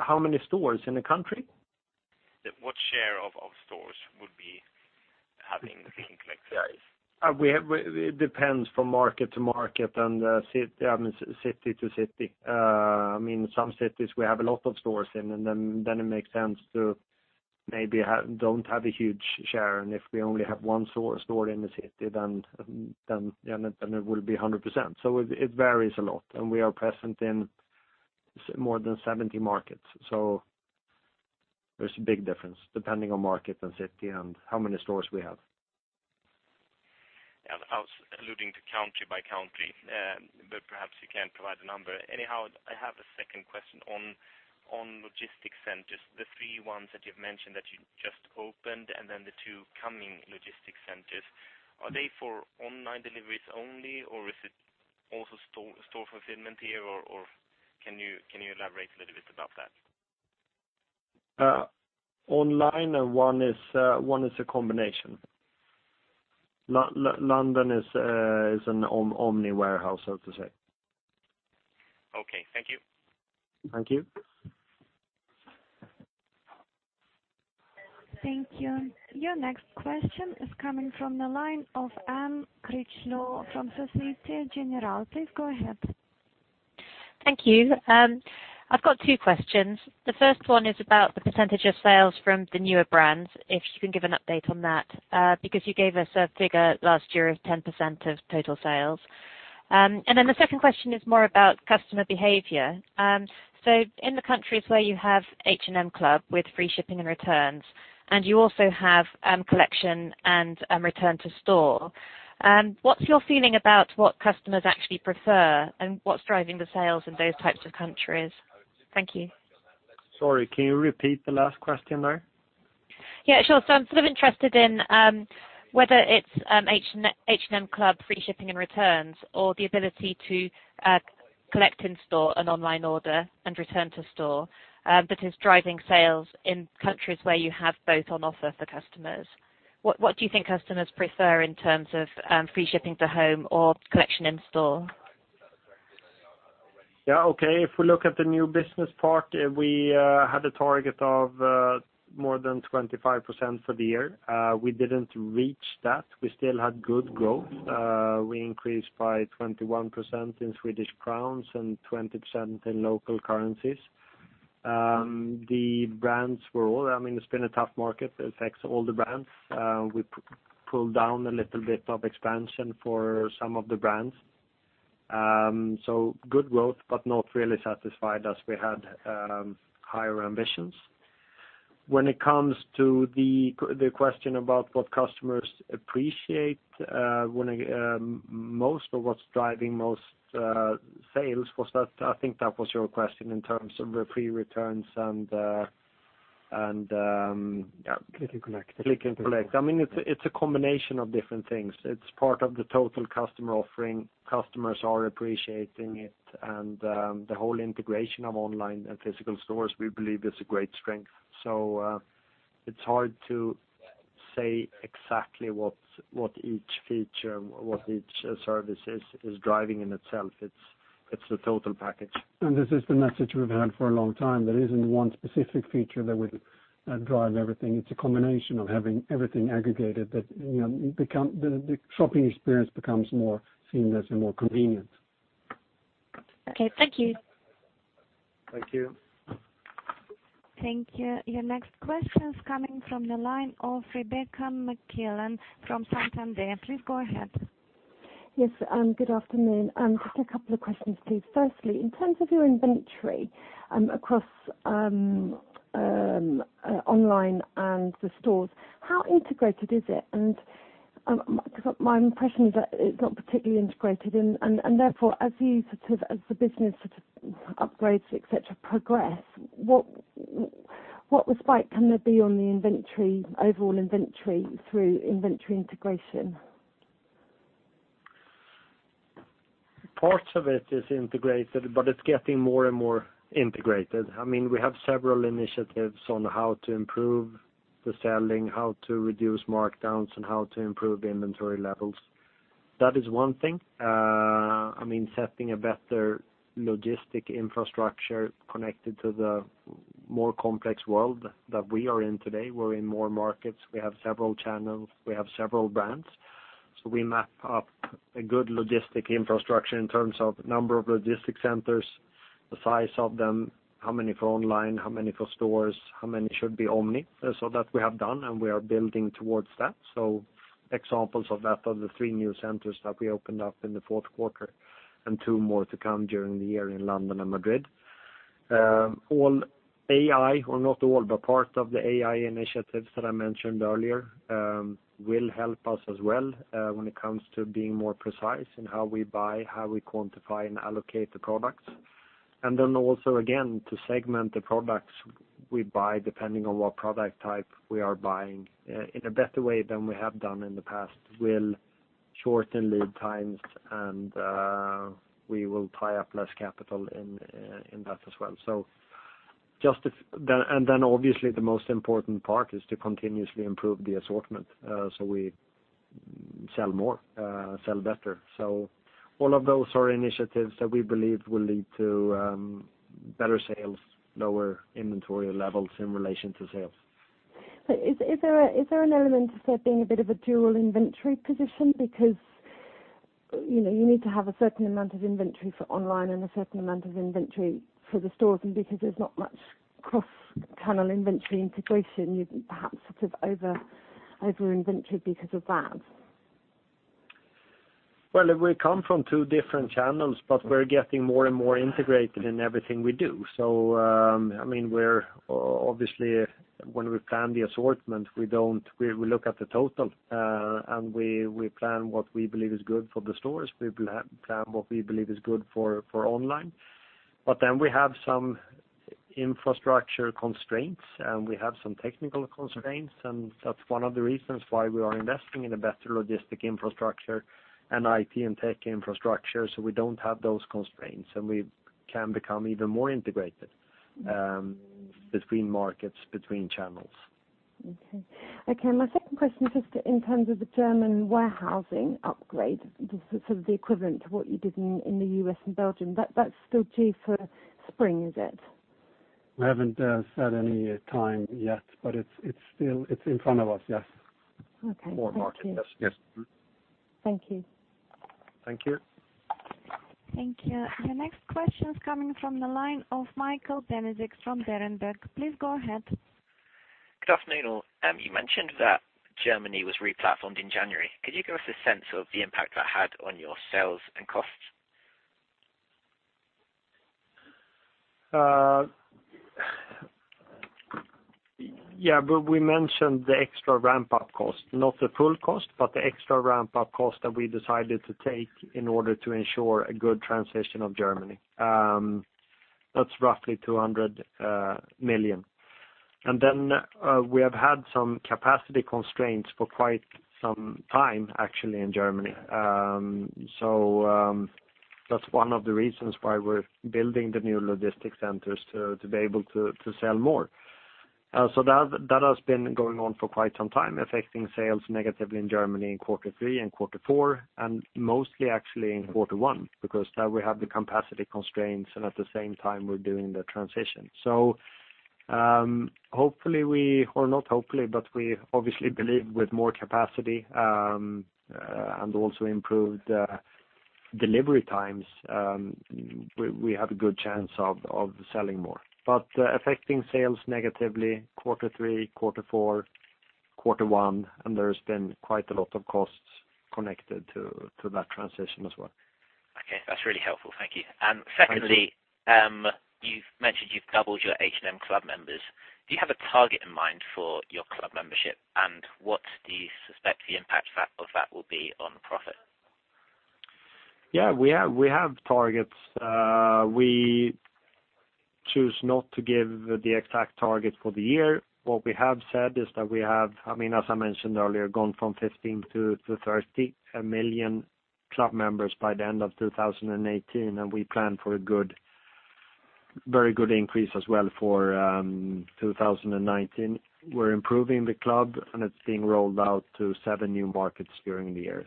How many stores in a country? What share of stores would be having the click and collect service? It depends from market to market and city to city. Some cities we have a lot of stores in, then it makes sense to maybe don't have a huge share. If we only have one store in the city, then it will be 100%. It varies a lot. We are present in more than 70 markets. There's a big difference, depending on market and city and how many stores we have. Yeah. I was alluding to country by country, perhaps you can't provide a number. Anyhow, I have a second question on logistics centers, the three ones that you've mentioned that you just opened then the two coming logistics centers. Are they for online deliveries only, or is it also store fulfillment here, or can you elaborate a little bit about that? Online one is a combination. London is an omni-warehouse, so to say. Okay. Thank you. Thank you. Thank you. Your next question is coming from the line of Anne Critchlow from Societe Generale. Please go ahead. Thank you. I've got two questions. The first one is about the percentage of sales from the newer brands, if you can give an update on that, because you gave us a figure last year of 10% of total sales. The second question is more about customer behavior. In the countries where you have H&M Club with free shipping and returns, and you also have collection and return to store, what's your feeling about what customers actually prefer and what's driving the sales in those types of countries? Thank you. Sorry, can you repeat the last question there? Yeah, sure. I'm sort of interested in whether it's H&M Club free shipping and returns, or the ability to collect in store an online order and return to store that is driving sales in countries where you have both on offer for customers. What do you think customers prefer in terms of free shipping to home or collection in store? Yeah, okay. If we look at the new business part, we had a target of more than 25% for the year. We didn't reach that. We still had good growth. We increased by 21% in SEK and 20% in local currencies. It's been a tough market. It affects all the brands. We pulled down a little bit of expansion for some of the brands. Good growth, but not really satisfied as we had higher ambitions. When it comes to the question about what customers appreciate most or what's driving most sales, I think that was your question in terms of the free returns and, yeah. Click and collect. Click and collect. It's a combination of different things. It's part of the total customer offering. Customers are appreciating it, and the whole integration of online and physical stores, we believe, is a great strength. It's hard to say exactly what each feature, what each service is driving in itself. It's the total package. This is the message we've had for a long time. There isn't one specific feature that would drive everything. It's a combination of having everything aggregated that the shopping experience becomes more seamless and more convenient. Okay. Thank you. Thank you. Thank you. Your next question's coming from the line of Rebecca McClellan from Santander. Please go ahead. Yes. Good afternoon. Just a couple of questions, please. Firstly, in terms of your inventory across online and the stores, how integrated is it? Because my impression is that it's not particularly integrated and therefore, as the business upgrades, et cetera, progress, what respite can there be on the overall inventory through inventory integration? Parts of it is integrated, it's getting more and more integrated. We have several initiatives on how to improve the selling, how to reduce markdowns, and how to improve the inventory levels. That is one thing. Setting a better logistic infrastructure connected to the more complex world that we are in today. We're in more markets. We have several channels. We have several brands. We map up a good logistic infrastructure in terms of number of logistic centers, the size of them, how many for online, how many for stores, how many should be omni. That we have done, and we are building towards that. Examples of that are the three new centers that we opened up in the fourth quarter and two more to come during the year in London and Madrid. Part of the AI initiatives that I mentioned earlier, will help us as well, when it comes to being more precise in how we buy, how we quantify and allocate the products. Also, again, to segment the products we buy, depending on what product type we are buying, in a better way than we have done in the past, will shorten lead times and we will tie up less capital in that as well. Obviously the most important part is to continuously improve the assortment, so we sell more, sell better. All of those are initiatives that we believe will lead to better sales, lower inventory levels in relation to sales. Is there an element of there being a bit of a dual inventory position? You need to have a certain amount of inventory for online and a certain amount of inventory for the stores, because there's not much cross-channel inventory integration, you perhaps over-inventoried because of that. We come from two different channels, we're getting more and more integrated in everything we do. Obviously when we plan the assortment, we look at the total, and we plan what we believe is good for the stores. We plan what we believe is good for online. We have some infrastructure constraints, and we have some technical constraints. That's one of the reasons why we are investing in a better logistic infrastructure and IT and tech infrastructure, so we don't have those constraints, and we can become even more integrated, between markets, between channels. Okay. My second question is just in terms of the German warehousing upgrade, sort of the equivalent to what you did in the U.S. and Belgium. That's still due for spring, is it? We haven't set any time yet, it's in front of us, yes. Okay. Thank you. More market, yes. Thank you. Thank you. Thank you. Your next question's coming from the line of Michael Benedict from Berenberg. Please go ahead. Good afternoon, all. You mentioned that Germany was replatformed in January. Could you give us a sense of the impact that had on your sales and costs? Yeah. We mentioned the extra ramp-up cost, not the full cost, but the extra ramp-up cost that we decided to take in order to ensure a good transition of Germany. That's roughly 200 million. We have had some capacity constraints for quite some time, actually, in Germany. That's one of the reasons why we're building the new logistic centers to be able to sell more. That has been going on for quite some time, affecting sales negatively in quarter three and quarter four, and mostly actually in quarter one, because there we have the capacity constraints and at the same time we're doing the transition. We obviously believe with more capacity, and also improved delivery times, we have a good chance of selling more. Affecting sales negatively quarter three, quarter four, quarter one, and there's been quite a lot of costs connected to that transition as well. Okay. That's really helpful. Thank you. Secondly- Thanks You've mentioned you've doubled your H&M Club members. Do you have a target in mind for your Club membership, and what do you suspect the impact of that will be on profit? We have targets. We choose not to give the exact target for the year. What we have said is that we have, as I mentioned earlier, gone from 15 to 30 million Club members by the end of 2018, and we plan for a very good increase as well for 2019. We're improving the Club, and it's being rolled out to seven new markets during the year.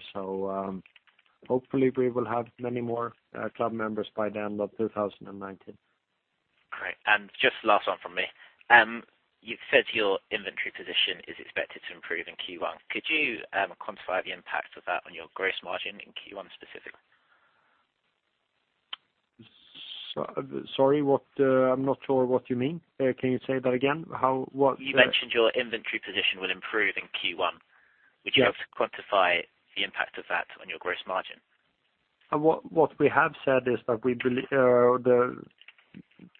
Hopefully we will have many more Club members by the end of 2019. Great. Just last one from me. You've said your inventory position is expected to improve in Q1. Could you quantify the impact of that on your gross margin in Q1 specifically? Sorry, I'm not sure what you mean. Can you say that again? You mentioned your inventory position will improve in Q1. Yes. Would you be able to quantify the impact of that on your gross margin? What we have said is that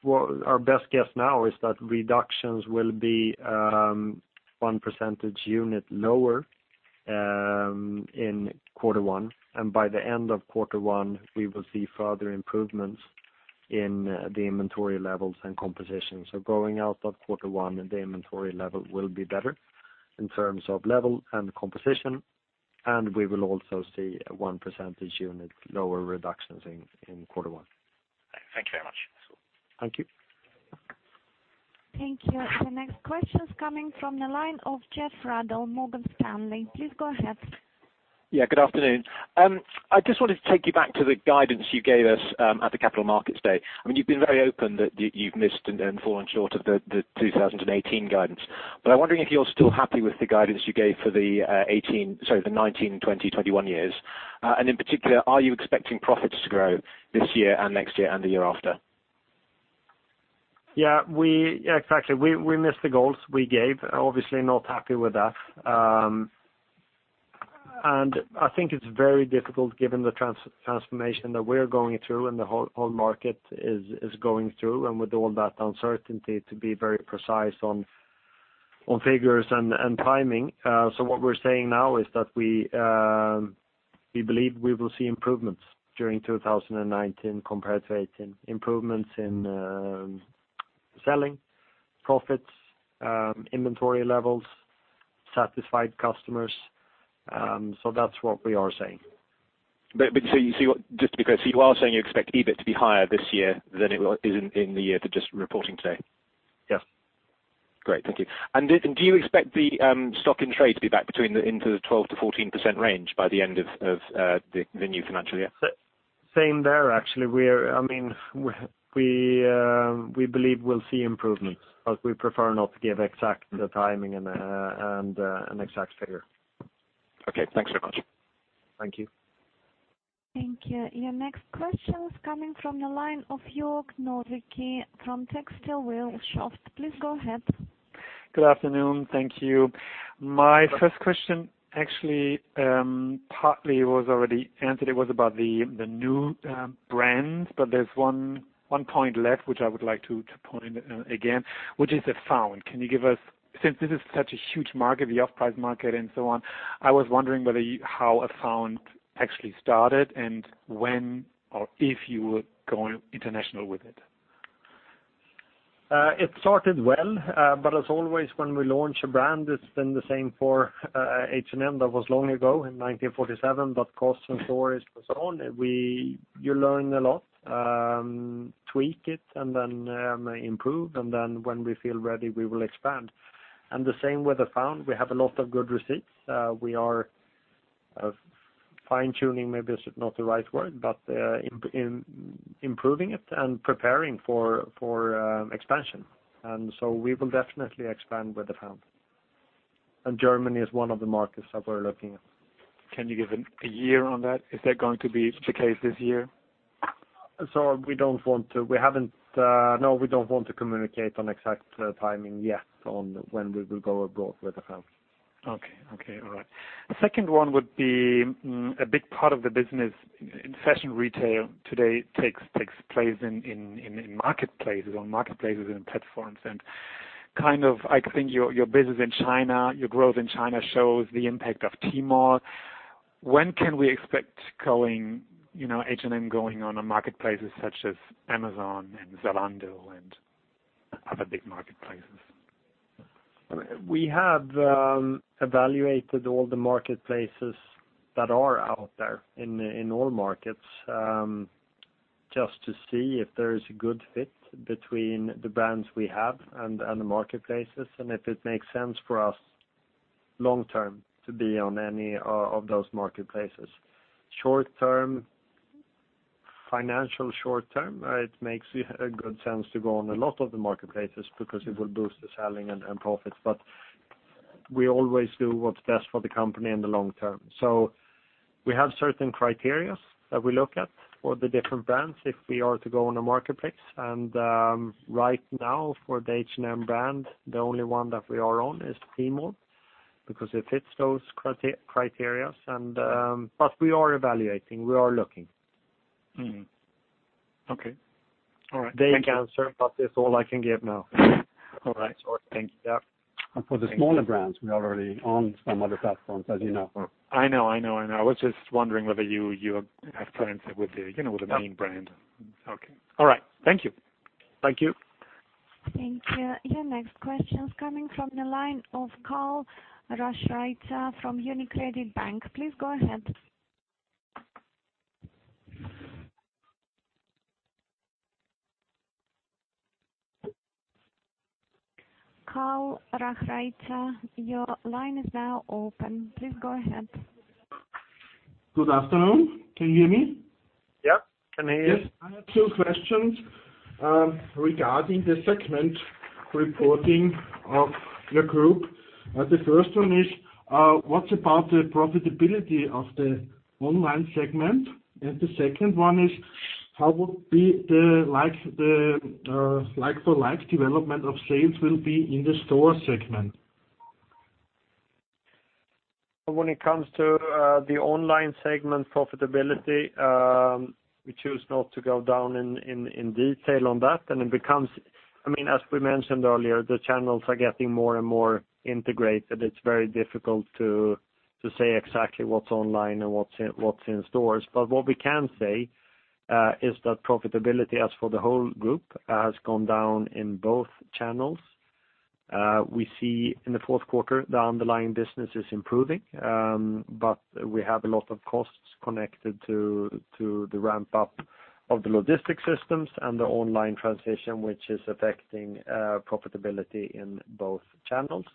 our best guess now is that reductions will be one percentage unit lower in quarter one. By the end of quarter one, we will see further improvements in the inventory levels and composition. Going out of quarter one, the inventory level will be better in terms of level and composition, and we will also see one percentage unit lower reductions in quarter one. Thank you very much. Thank you. Thank you. The next question's coming from the line of Geoff Ruddell, Morgan Stanley. Please go ahead. Good afternoon. I just wanted to take you back to the guidance you gave us at the Capital Markets Day. You've been very open that you've missed and fallen short of the 2018 guidance. I'm wondering if you're still happy with the guidance you gave for the 2019, 2020, 2021 years. In particular, are you expecting profits to grow this year and next year and the year after? Exactly. We missed the goals we gave. Obviously not happy with that. I think it's very difficult given the transformation that we're going through and the whole market is going through and with all that uncertainty to be very precise on figures and timing. What we're saying now is that we believe we will see improvements during 2019 compared to 2018. Improvements in selling, profits, inventory levels, satisfied customers. That's what we are saying. Just because, you are saying you expect EBIT to be higher this year than it is in the year that just reporting today? Yes. Great, thank you. Do you expect the stock in trade to be back into the 12%-14% range by the end of the new financial year? Same there, actually. We believe we'll see improvements, but we prefer not to give exact timing and an exact figure. Okay, thanks very much. Thank you. Thank you. Your next question is coming from the line of Jörg Nowicki from TextilWirtschaft. Please go ahead. Good afternoon. Thank you. My first question actually partly was already answered. It was about the new brands, but there's one point left, which I would like to point again, which is Afound. Since this is such a huge market, the off-price market and so on, I was wondering how Afound actually started and when or if you would go international with it. It started well, but as always, when we launch a brand, it's been the same for H&M that was long ago in 1947, but COS and & Other Stories and so on, you learn a lot, tweak it, and then improve, and then when we feel ready, we will expand. The same with Afound. We have a lot of good receipts. We are, fine-tuning maybe is not the right word, but improving it and preparing for expansion. So we will definitely expand with Afound. Germany is one of the markets that we're looking at. Can you give a year on that? Is that going to be the case this year? Sorry, we don't want to communicate on exact timing yet on when we will go abroad with Afound. Okay. All right. The second one would be a big part of the business in fashion retail today takes place in marketplaces, on marketplaces and platforms. I think your business in China, your growth in China shows the impact of Tmall. When can we expect H&M going on a marketplace such as Amazon and Zalando and other big marketplaces? We have evaluated all the marketplaces that are out there in all markets, just to see if there is a good fit between the brands we have and the marketplaces, and if it makes sense for us long-term to be on any of those marketplaces. Financial short-term, it makes a good sense to go on a lot of the marketplaces because it will boost the selling and profits, but we always do what's best for the company in the long term. We have certain criteria that we look at for the different brands if we are to go on the marketplace. Right now for the H&M brand, the only one that we are on is Tmall because it fits those criteria. We are evaluating, we are looking. Okay. All right. Thank you. They can, sir, but it's all I can give now. All right. Thank you. Sorry. Thank you. For the smaller brands, we already own some other platforms, as you know. I know. I was just wondering whether you have plans with. Yeah main brand. Okay. All right. Thank you. Thank you. Thank you. Your next question's coming from the line of Karl Reschreiter from UniCredit Bank. Please go ahead. Karl Reschreiter, your line is now open. Please go ahead. Good afternoon. Can you hear me? Yeah. Can hear you. Yes. I have two questions regarding the segment reporting of your group. The first one is, what about the profitability of the online segment? The second one is, how will the like-for-like development of sales will be in the store segment? When it comes to the online segment profitability, we choose not to go down in detail on that. As we mentioned earlier, the channels are getting more and more integrated. It's very difficult to say exactly what's online and what's in stores. What we can say is that profitability as for the whole group, has gone down in both channels. We see in the fourth quarter, the underlying business is improving, but we have a lot of costs connected to the ramp-up of the logistic systems and the online transition, which is affecting profitability in both channels.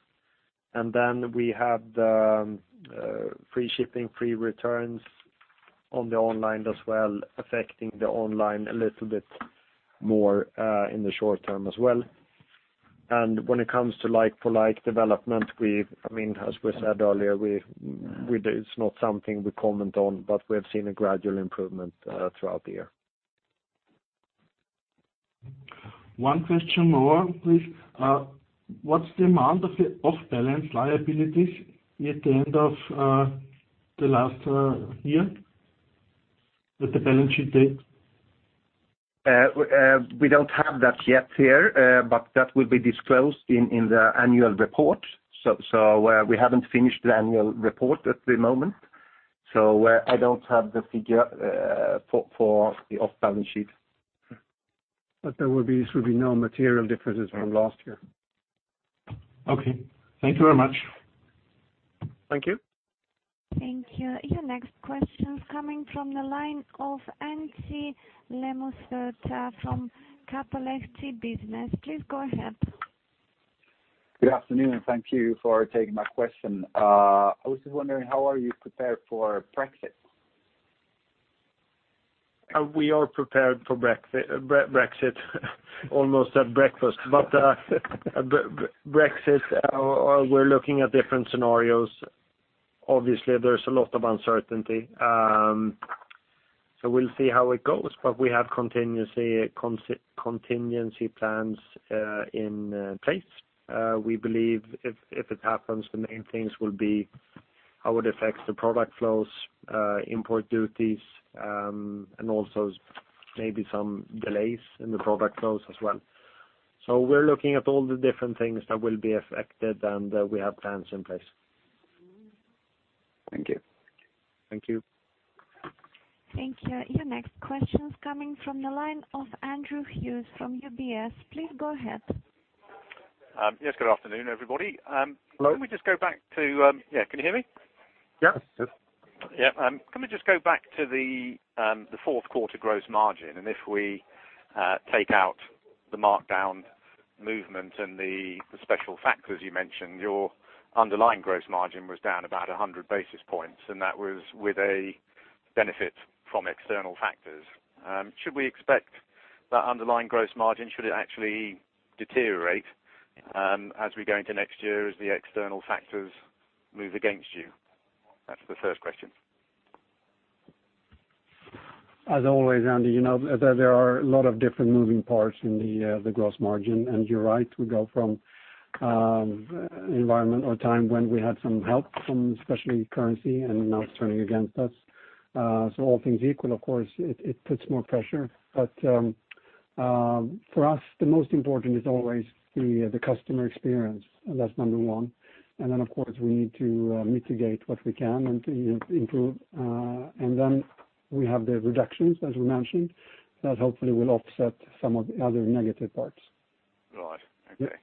We have the free shipping, free returns on the online as well, affecting the online a little bit more, in the short term as well. When it comes to like-for-like development, as we said earlier, it's not something we comment on, but we have seen a gradual improvement throughout the year. One question more, please. What's the amount of the off-balance liabilities at the end of the last year at the balance sheet date? We don't have that yet here, but that will be disclosed in the annual report. We haven't finished the annual report at the moment, so I don't have the figure for the off-balance sheet. There would be no material differences from last year. Okay. Thank you very much. Thank you. Thank you. Your next question's coming from the line of Pirkko Tammilehto from Kauppalehti. Please go ahead. Good afternoon. Thank you for taking my question. I was just wondering how are you prepared for Brexit? We are prepared for Brexit. Almost at breakfast, but Brexit, we're looking at different scenarios. Obviously, there's a lot of uncertainty. We'll see how it goes, but we have contingency plans in place. We believe if it happens, the main things will be how it affects the product flows, import duties, and also maybe some delays in the product flows as well. We're looking at all the different things that will be affected, and we have plans in place. Thank you. Thank you. Thank you. Your next question's coming from the line of Andrew Hughes from UBS. Please go ahead. Yes, good afternoon, everybody. Hello. Yeah, can you hear me? Yes. Yeah. Can we just go back to the fourth quarter gross margin? If we take out the markdown movement and the special factors you mentioned, your underlying gross margin was down about 100 basis points, and that was with a benefit from external factors. Should we expect that underlying gross margin, should it actually deteriorate as we go into next year as the external factors move against you? That's the first question. As always, Andy, there are a lot of different moving parts in the gross margin. You're right, we go from environment or time when we had some help from especially currency and now it's turning against us. All things equal, of course, it puts more pressure. For us, the most important is always the customer experience, that's number 1. Then, of course, we need to mitigate what we can and to improve. Then we have the reductions, as we mentioned, that hopefully will offset some of the other negative parts. Right. Okay.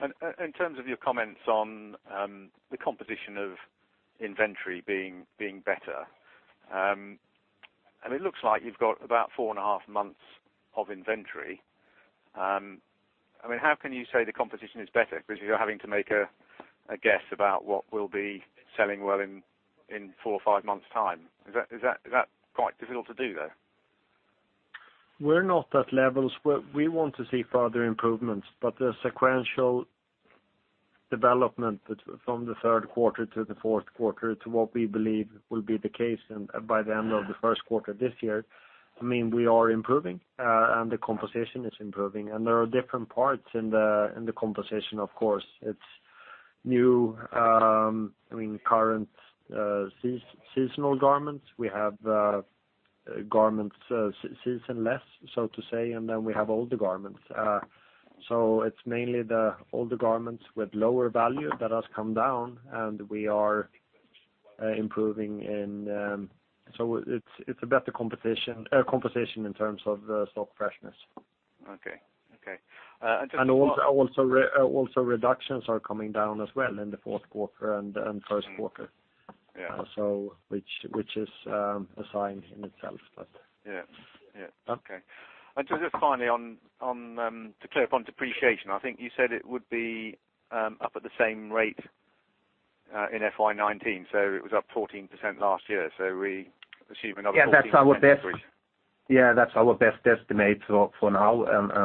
Yeah. In terms of your comments on the composition of inventory being better, it looks like you've got about four and a half months of inventory. How can you say the composition is better because you're having to make a guess about what will be selling well in four or five months time? Is that quite difficult to do there? We're not at levels where we want to see further improvements, but the sequential development from the third quarter to the fourth quarter to what we believe will be the case and by the end of the first quarter this year, we are improving, and the composition is improving. There are different parts in the composition, of course. It's new, current seasonal garments. We have garments seasonless, so to say, then we have older garments. It's mainly the older garments with lower value that has come down, and we are improving. It's a better composition in terms of stock freshness. Okay. Reductions are coming down as well in the fourth quarter and first quarter. Yeah. Which is a sign in itself. Just finally, to clarify on depreciation, I think you said it would be up at the same rate in FY 2019, so it was up 14% last year. We assume another 14% increase. That's our best estimate for now.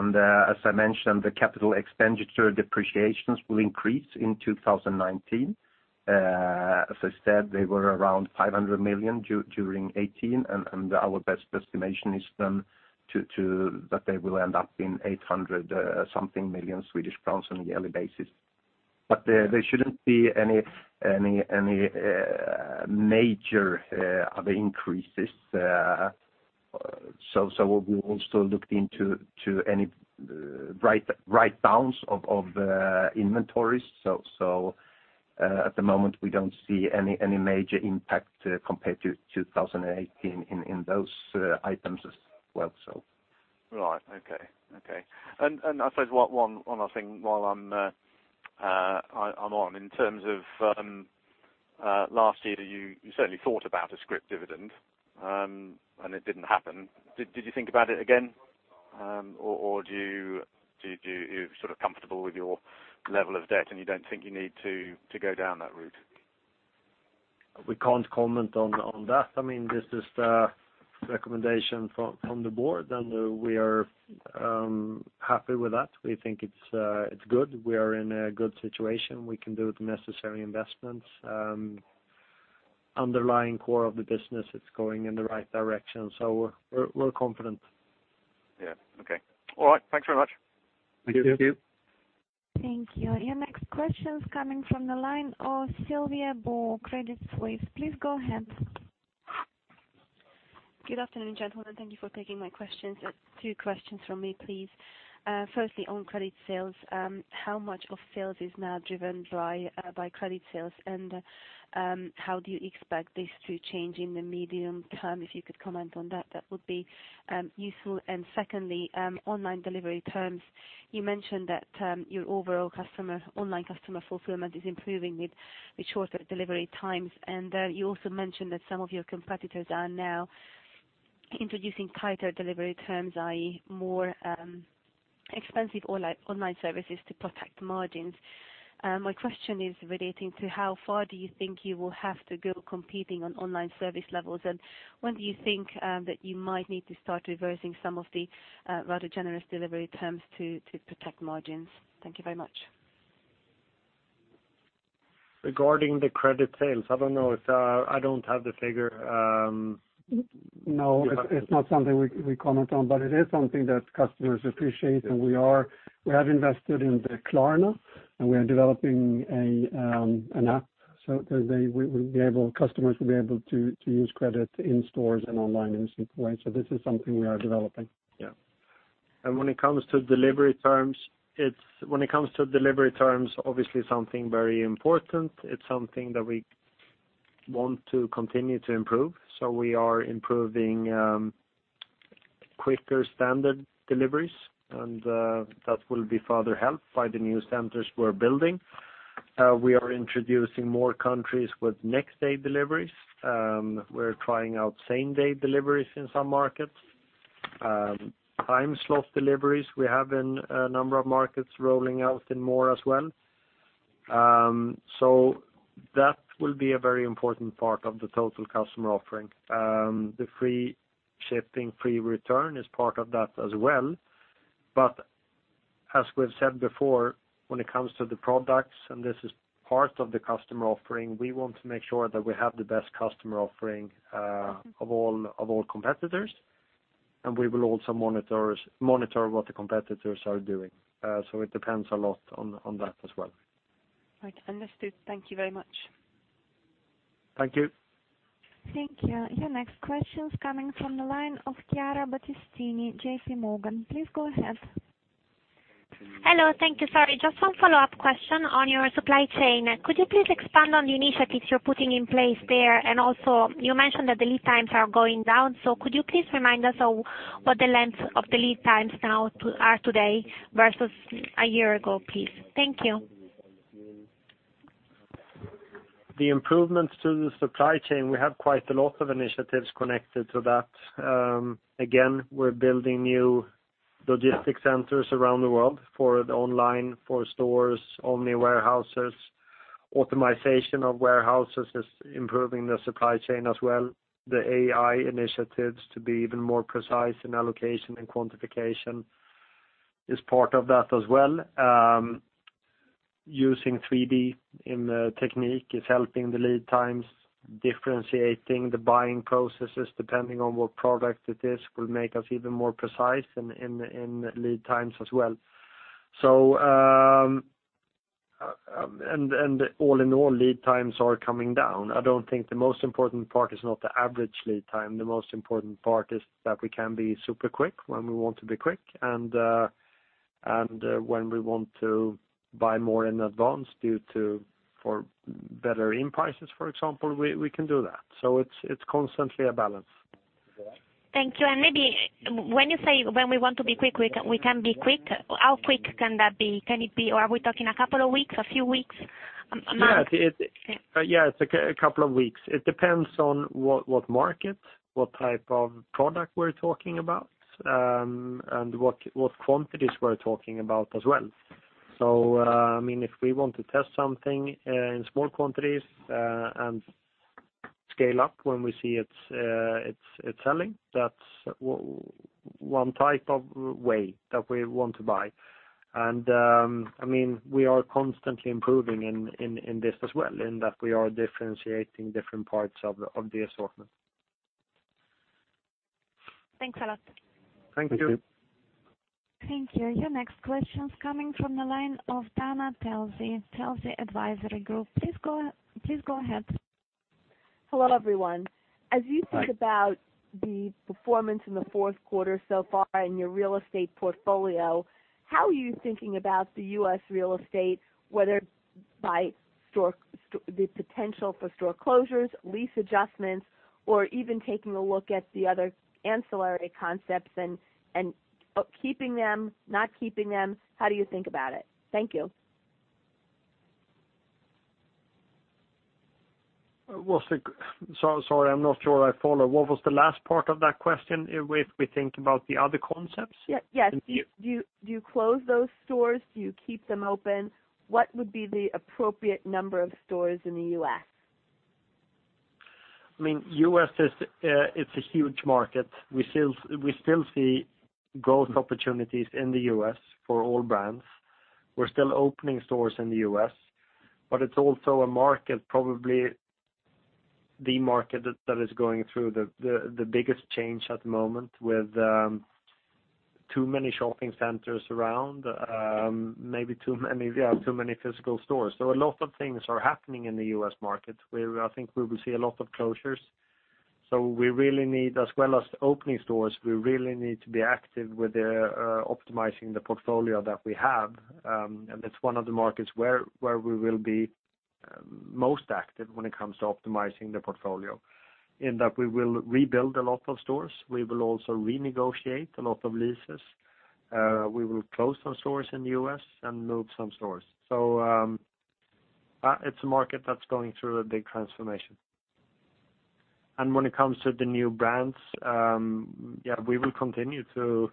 As I mentioned, the capital expenditure depreciations will increase in 2019. As I said, they were around 500 million during 2018, and our best estimation is that they will end up being 800 something million on a yearly basis. There shouldn't be any major other increases. We also looked into any write-downs of inventories. At the moment, we don't see any major impact compared to 2018 in those items as well. Okay. I suppose one last thing while I'm on, in terms of last year, you certainly thought about a scrip dividend, and it didn't happen. Did you think about it again? Or sort of comfortable with your level of debt and you don't think you need to go down that route? We can't comment on that. This is the recommendation from the board. We are happy with that. We think it's good. We are in a good situation. We can do the necessary investments. Underlying core of the business, it's going in the right direction. We're confident. Yeah. Okay. All right. Thanks very much. Thank you. Thank you. Your next question is coming from the line of Szilvia Bor, Credit Suisse. Please go ahead. Good afternoon, gentlemen. Thank you for taking my questions. Two questions from me, please. Firstly, on credit sales, how much of sales is now driven by credit sales, and how do you expect this to change in the medium term? If you could comment on that would be useful. Secondly, online delivery terms. You mentioned that your overall online customer fulfillment is improving with shorter delivery times, and you also mentioned that some of your competitors are now introducing tighter delivery terms, i.e., more expensive online services to protect margins. My question is relating to how far do you think you will have to go competing on online service levels, and when do you think that you might need to start reversing some of the rather generous delivery terms to protect margins? Thank you very much. Regarding the credit sales, I don't know. I don't have the figure. No, it's not something we comment on, but it is something that customers appreciate. We have invested in Klarna, and we are developing an app so customers will be able to use credit in stores and online in a simple way. This is something we are developing. Yeah. When it comes to delivery terms, obviously something very important. It's something that we want to continue to improve. We are improving quicker standard deliveries, and that will be further helped by the new centers we're building. We are introducing more countries with next-day deliveries. We're trying out same-day deliveries in some markets. Time slot deliveries we have in a number of markets, rolling out in more as well. That will be a very important part of the total customer offering. The free shipping, free return is part of that as well. As we've said before, when it comes to the products, and this is part of the customer offering, we want to make sure that we have the best customer offering of all competitors, and we will also monitor what the competitors are doing. It depends a lot on that as well. Right. Understood. Thank you very much. Thank you. Thank you. Your next question is coming from the line of Chiara Battistini, JPMorgan. Please go ahead. Hello. Thank you. Sorry, just one follow-up question on your supply chain. Could you please expand on the initiatives you're putting in place there? You mentioned that the lead times are going down. Could you please remind us of what the length of the lead times now are today versus a year ago, please? Thank you. The improvements to the supply chain, we have quite a lot of initiatives connected to that. Again, we're building new logistics centers around the world for the online, for stores, omni warehouses. Optimization of warehouses is improving the supply chain as well. The AI initiatives to be even more precise in allocation and quantification is part of that as well. Using 3D in technique is helping the lead times. Differentiating the buying processes depending on what product it is will make us even more precise in lead times as well. All in all, lead times are coming down. I don't think the most important part is not the average lead time. The most important part is that we can be super quick when we want to be quick, and when we want to buy more in advance for better in prices, for example, we can do that. It's constantly a balance. Thank you. Maybe when you say, when we want to be quick, we can be quick, how quick can that be? Are we talking a couple of weeks, a few weeks, a month? A couple of weeks. It depends on what market, what type of product we're talking about, and what quantities we're talking about as well. If we want to test something in small quantities and scale up when we see it's selling, that's one type of way that we want to buy. We are constantly improving in this as well, in that we are differentiating different parts of the assortment. Thanks a lot. Thank you. Thank you. Your next question's coming from the line of Dana Telsey, Telsey Advisory Group. Please go ahead. Hello, everyone. Hi. As you think about the performance in the fourth quarter so far in your real estate portfolio, how are you thinking about the U.S. real estate, whether by the potential for store closures, lease adjustments, or even taking a look at the other ancillary concepts and keeping them, not keeping them? How do you think about it? Thank you. Sorry, I'm not sure I follow. What was the last part of that question? If we think about the other concepts? Yes. Do you close those stores? Do you keep them open? What would be the appropriate number of stores in the U.S.? U.S., it's a huge market. We still see growth opportunities in the U.S. for all brands. We're still opening stores in the U.S., it's also a market, probably the market that is going through the biggest change at the moment with too many shopping centers around. Maybe too many physical stores. A lot of things are happening in the U.S. market, where I think we will see a lot of closures. We really need, as well as opening stores, we really need to be active with optimizing the portfolio that we have. It's one of the markets where we will be most active when it comes to optimizing the portfolio, in that we will rebuild a lot of stores. We will also renegotiate a lot of leases. We will close some stores in the U.S. and move some stores. It's a market that's going through a big transformation. When it comes to the new brands, we will continue to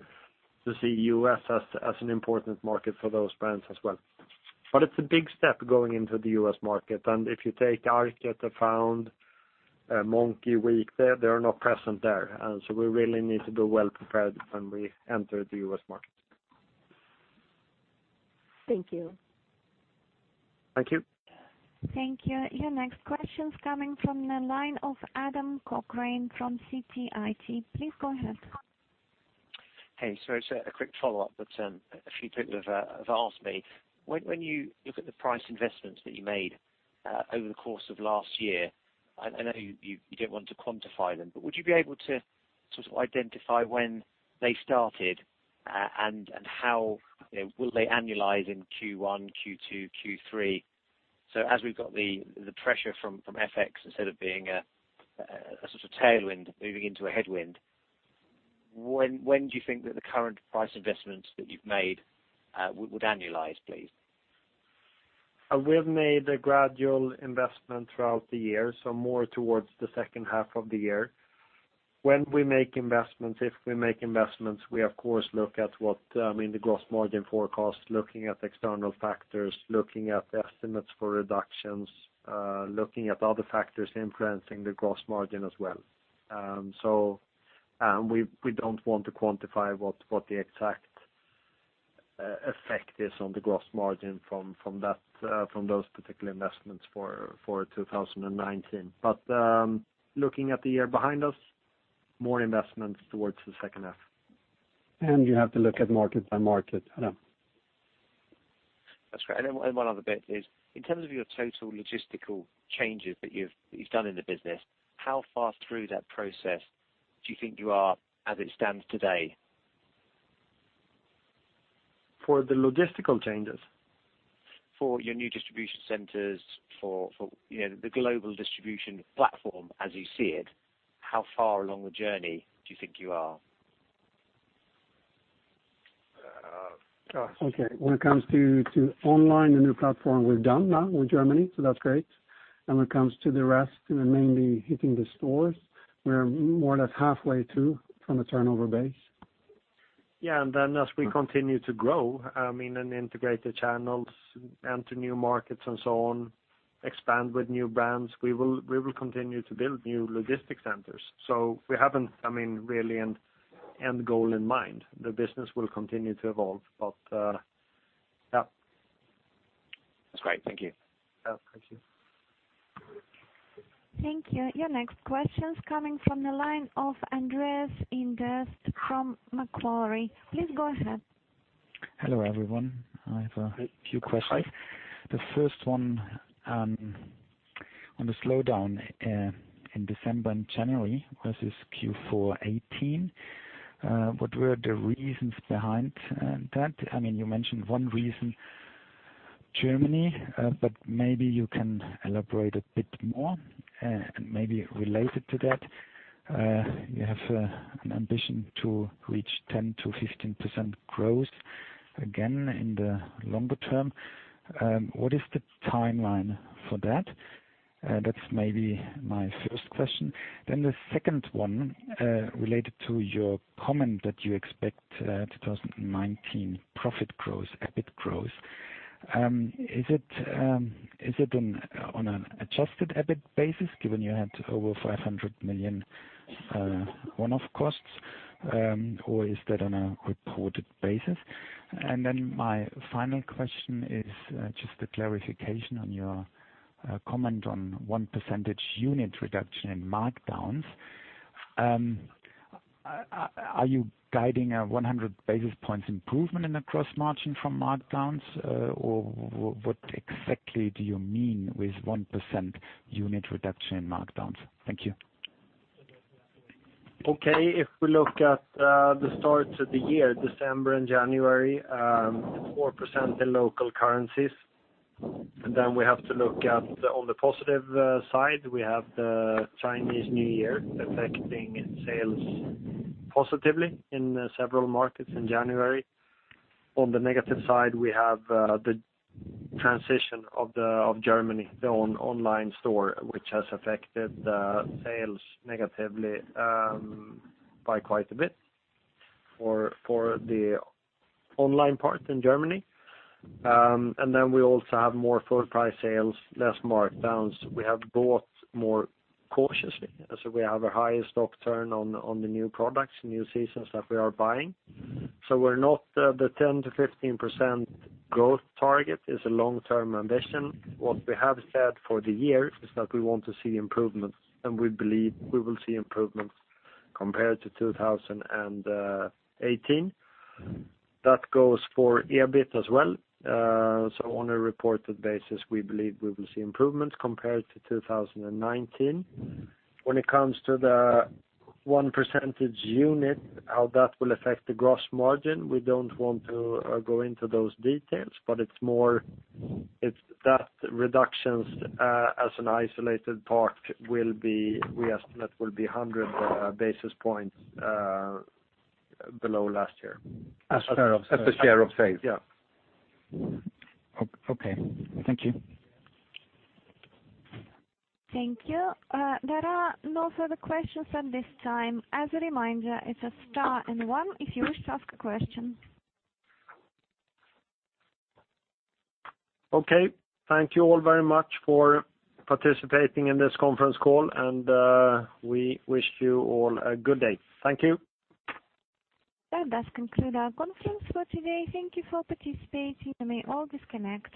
see U.S. as an important market for those brands as well. It's a big step going into the U.S. market, if you take ARKET Afound, Monki Weekday, they are not present there. We really need to be well prepared when we enter the U.S. market. Thank you. Thank you. Thank you. Your next question's coming from the line of Adam Cochrane from Citi. Please go ahead. Hey, so a quick follow-up that a few people have asked me. When you look at the price investments that you made over the course of last year, I know you don't want to quantify them, but would you be able to sort of identify when they started, and will they annualize in Q1, Q2, Q3? As we've got the pressure from FX instead of being a sort of tailwind moving into a headwind, when do you think that the current price investments that you've made would annualize, please? We've made a gradual investment throughout the year, so more towards the second half of the year. When we make investments, if we make investments, we of course, look at the gross margin forecast, looking at external factors, looking at estimates for reductions, looking at other factors influencing the gross margin as well. We don't want to quantify what the exact effect is on the gross margin from those particular investments for 2019. Looking at the year behind us, more investments towards the second half. You have to look at market by market, Adam. That's great. One other bit is, in terms of your total logistical changes that you've done in the business, how far through that process do you think you are as it stands today? For the logistical changes? For your new distribution centers. The global distribution platform as you see it, how far along the journey do you think you are? Okay. When it comes to online, the new platform we've done now with Germany, so that's great. When it comes to the rest, and then mainly hitting the stores, we're more or less halfway through from a turnover base. As we continue to grow, and integrate the channels, enter new markets and so on, expand with new brands, we will continue to build new logistics centers. We haven't really an end goal in mind. The business will continue to evolve. That's great. Thank you. Thank you. Thank you. Your next question's coming from the line of Andreas Inderst from Macquarie. Please go ahead. Hello, everyone. I have a few questions. Hi. The first one on the slowdown in December and January versus Q4 2018, what were the reasons behind that? You mentioned one reason, Germany, but maybe you can elaborate a bit more. Maybe related to that, you have an ambition to reach 10%-15% growth again in the longer term. What is the timeline for that? That's maybe my first question. The second one, related to your comment that you expect 2019 profit growth, EBIT growth. Is it on an adjusted EBIT basis, given you had over 500 million one-off costs, or is that on a reported basis? My final question is just a clarification on your comment on one percentage unit reduction in markdowns. Are you guiding a 100 basis points improvement in the gross margin from markdowns? Or what exactly do you mean with 1% unit reduction in markdowns? Thank you. Okay. If we look at the start of the year, December and January, 4% in local currencies. We have to look at, on the positive side, we have the Chinese New Year affecting sales positively in several markets in January. On the negative side, we have the transition of Germany, their own online store, which has affected the sales negatively by quite a bit for the online part in Germany. We also have more full price sales, less markdowns. We have bought more cautiously, so we have a higher stock turn on the new products, new seasons that we are buying. The 10%-15% growth target is a long-term ambition. What we have said for the year is that we want to see improvements, and we believe we will see improvements compared to 2018. That goes for EBIT as well. On a reported basis, we believe we will see improvements compared to 2019. When it comes to the one percentage unit, how that will affect the gross margin, we don't want to go into those details, but it's that reductions as an isolated part we estimate will be 100 basis points below last year. As a share of sales? As a share of sales, yeah. Okay. Thank you. Thank you. There are no further questions at this time. As a reminder, it is star and one if you wish to ask a question. Okay. Thank you all very much for participating in this conference call. We wish you all a good day. Thank you. That does conclude our conference for today. Thank you for participating. You may all disconnect.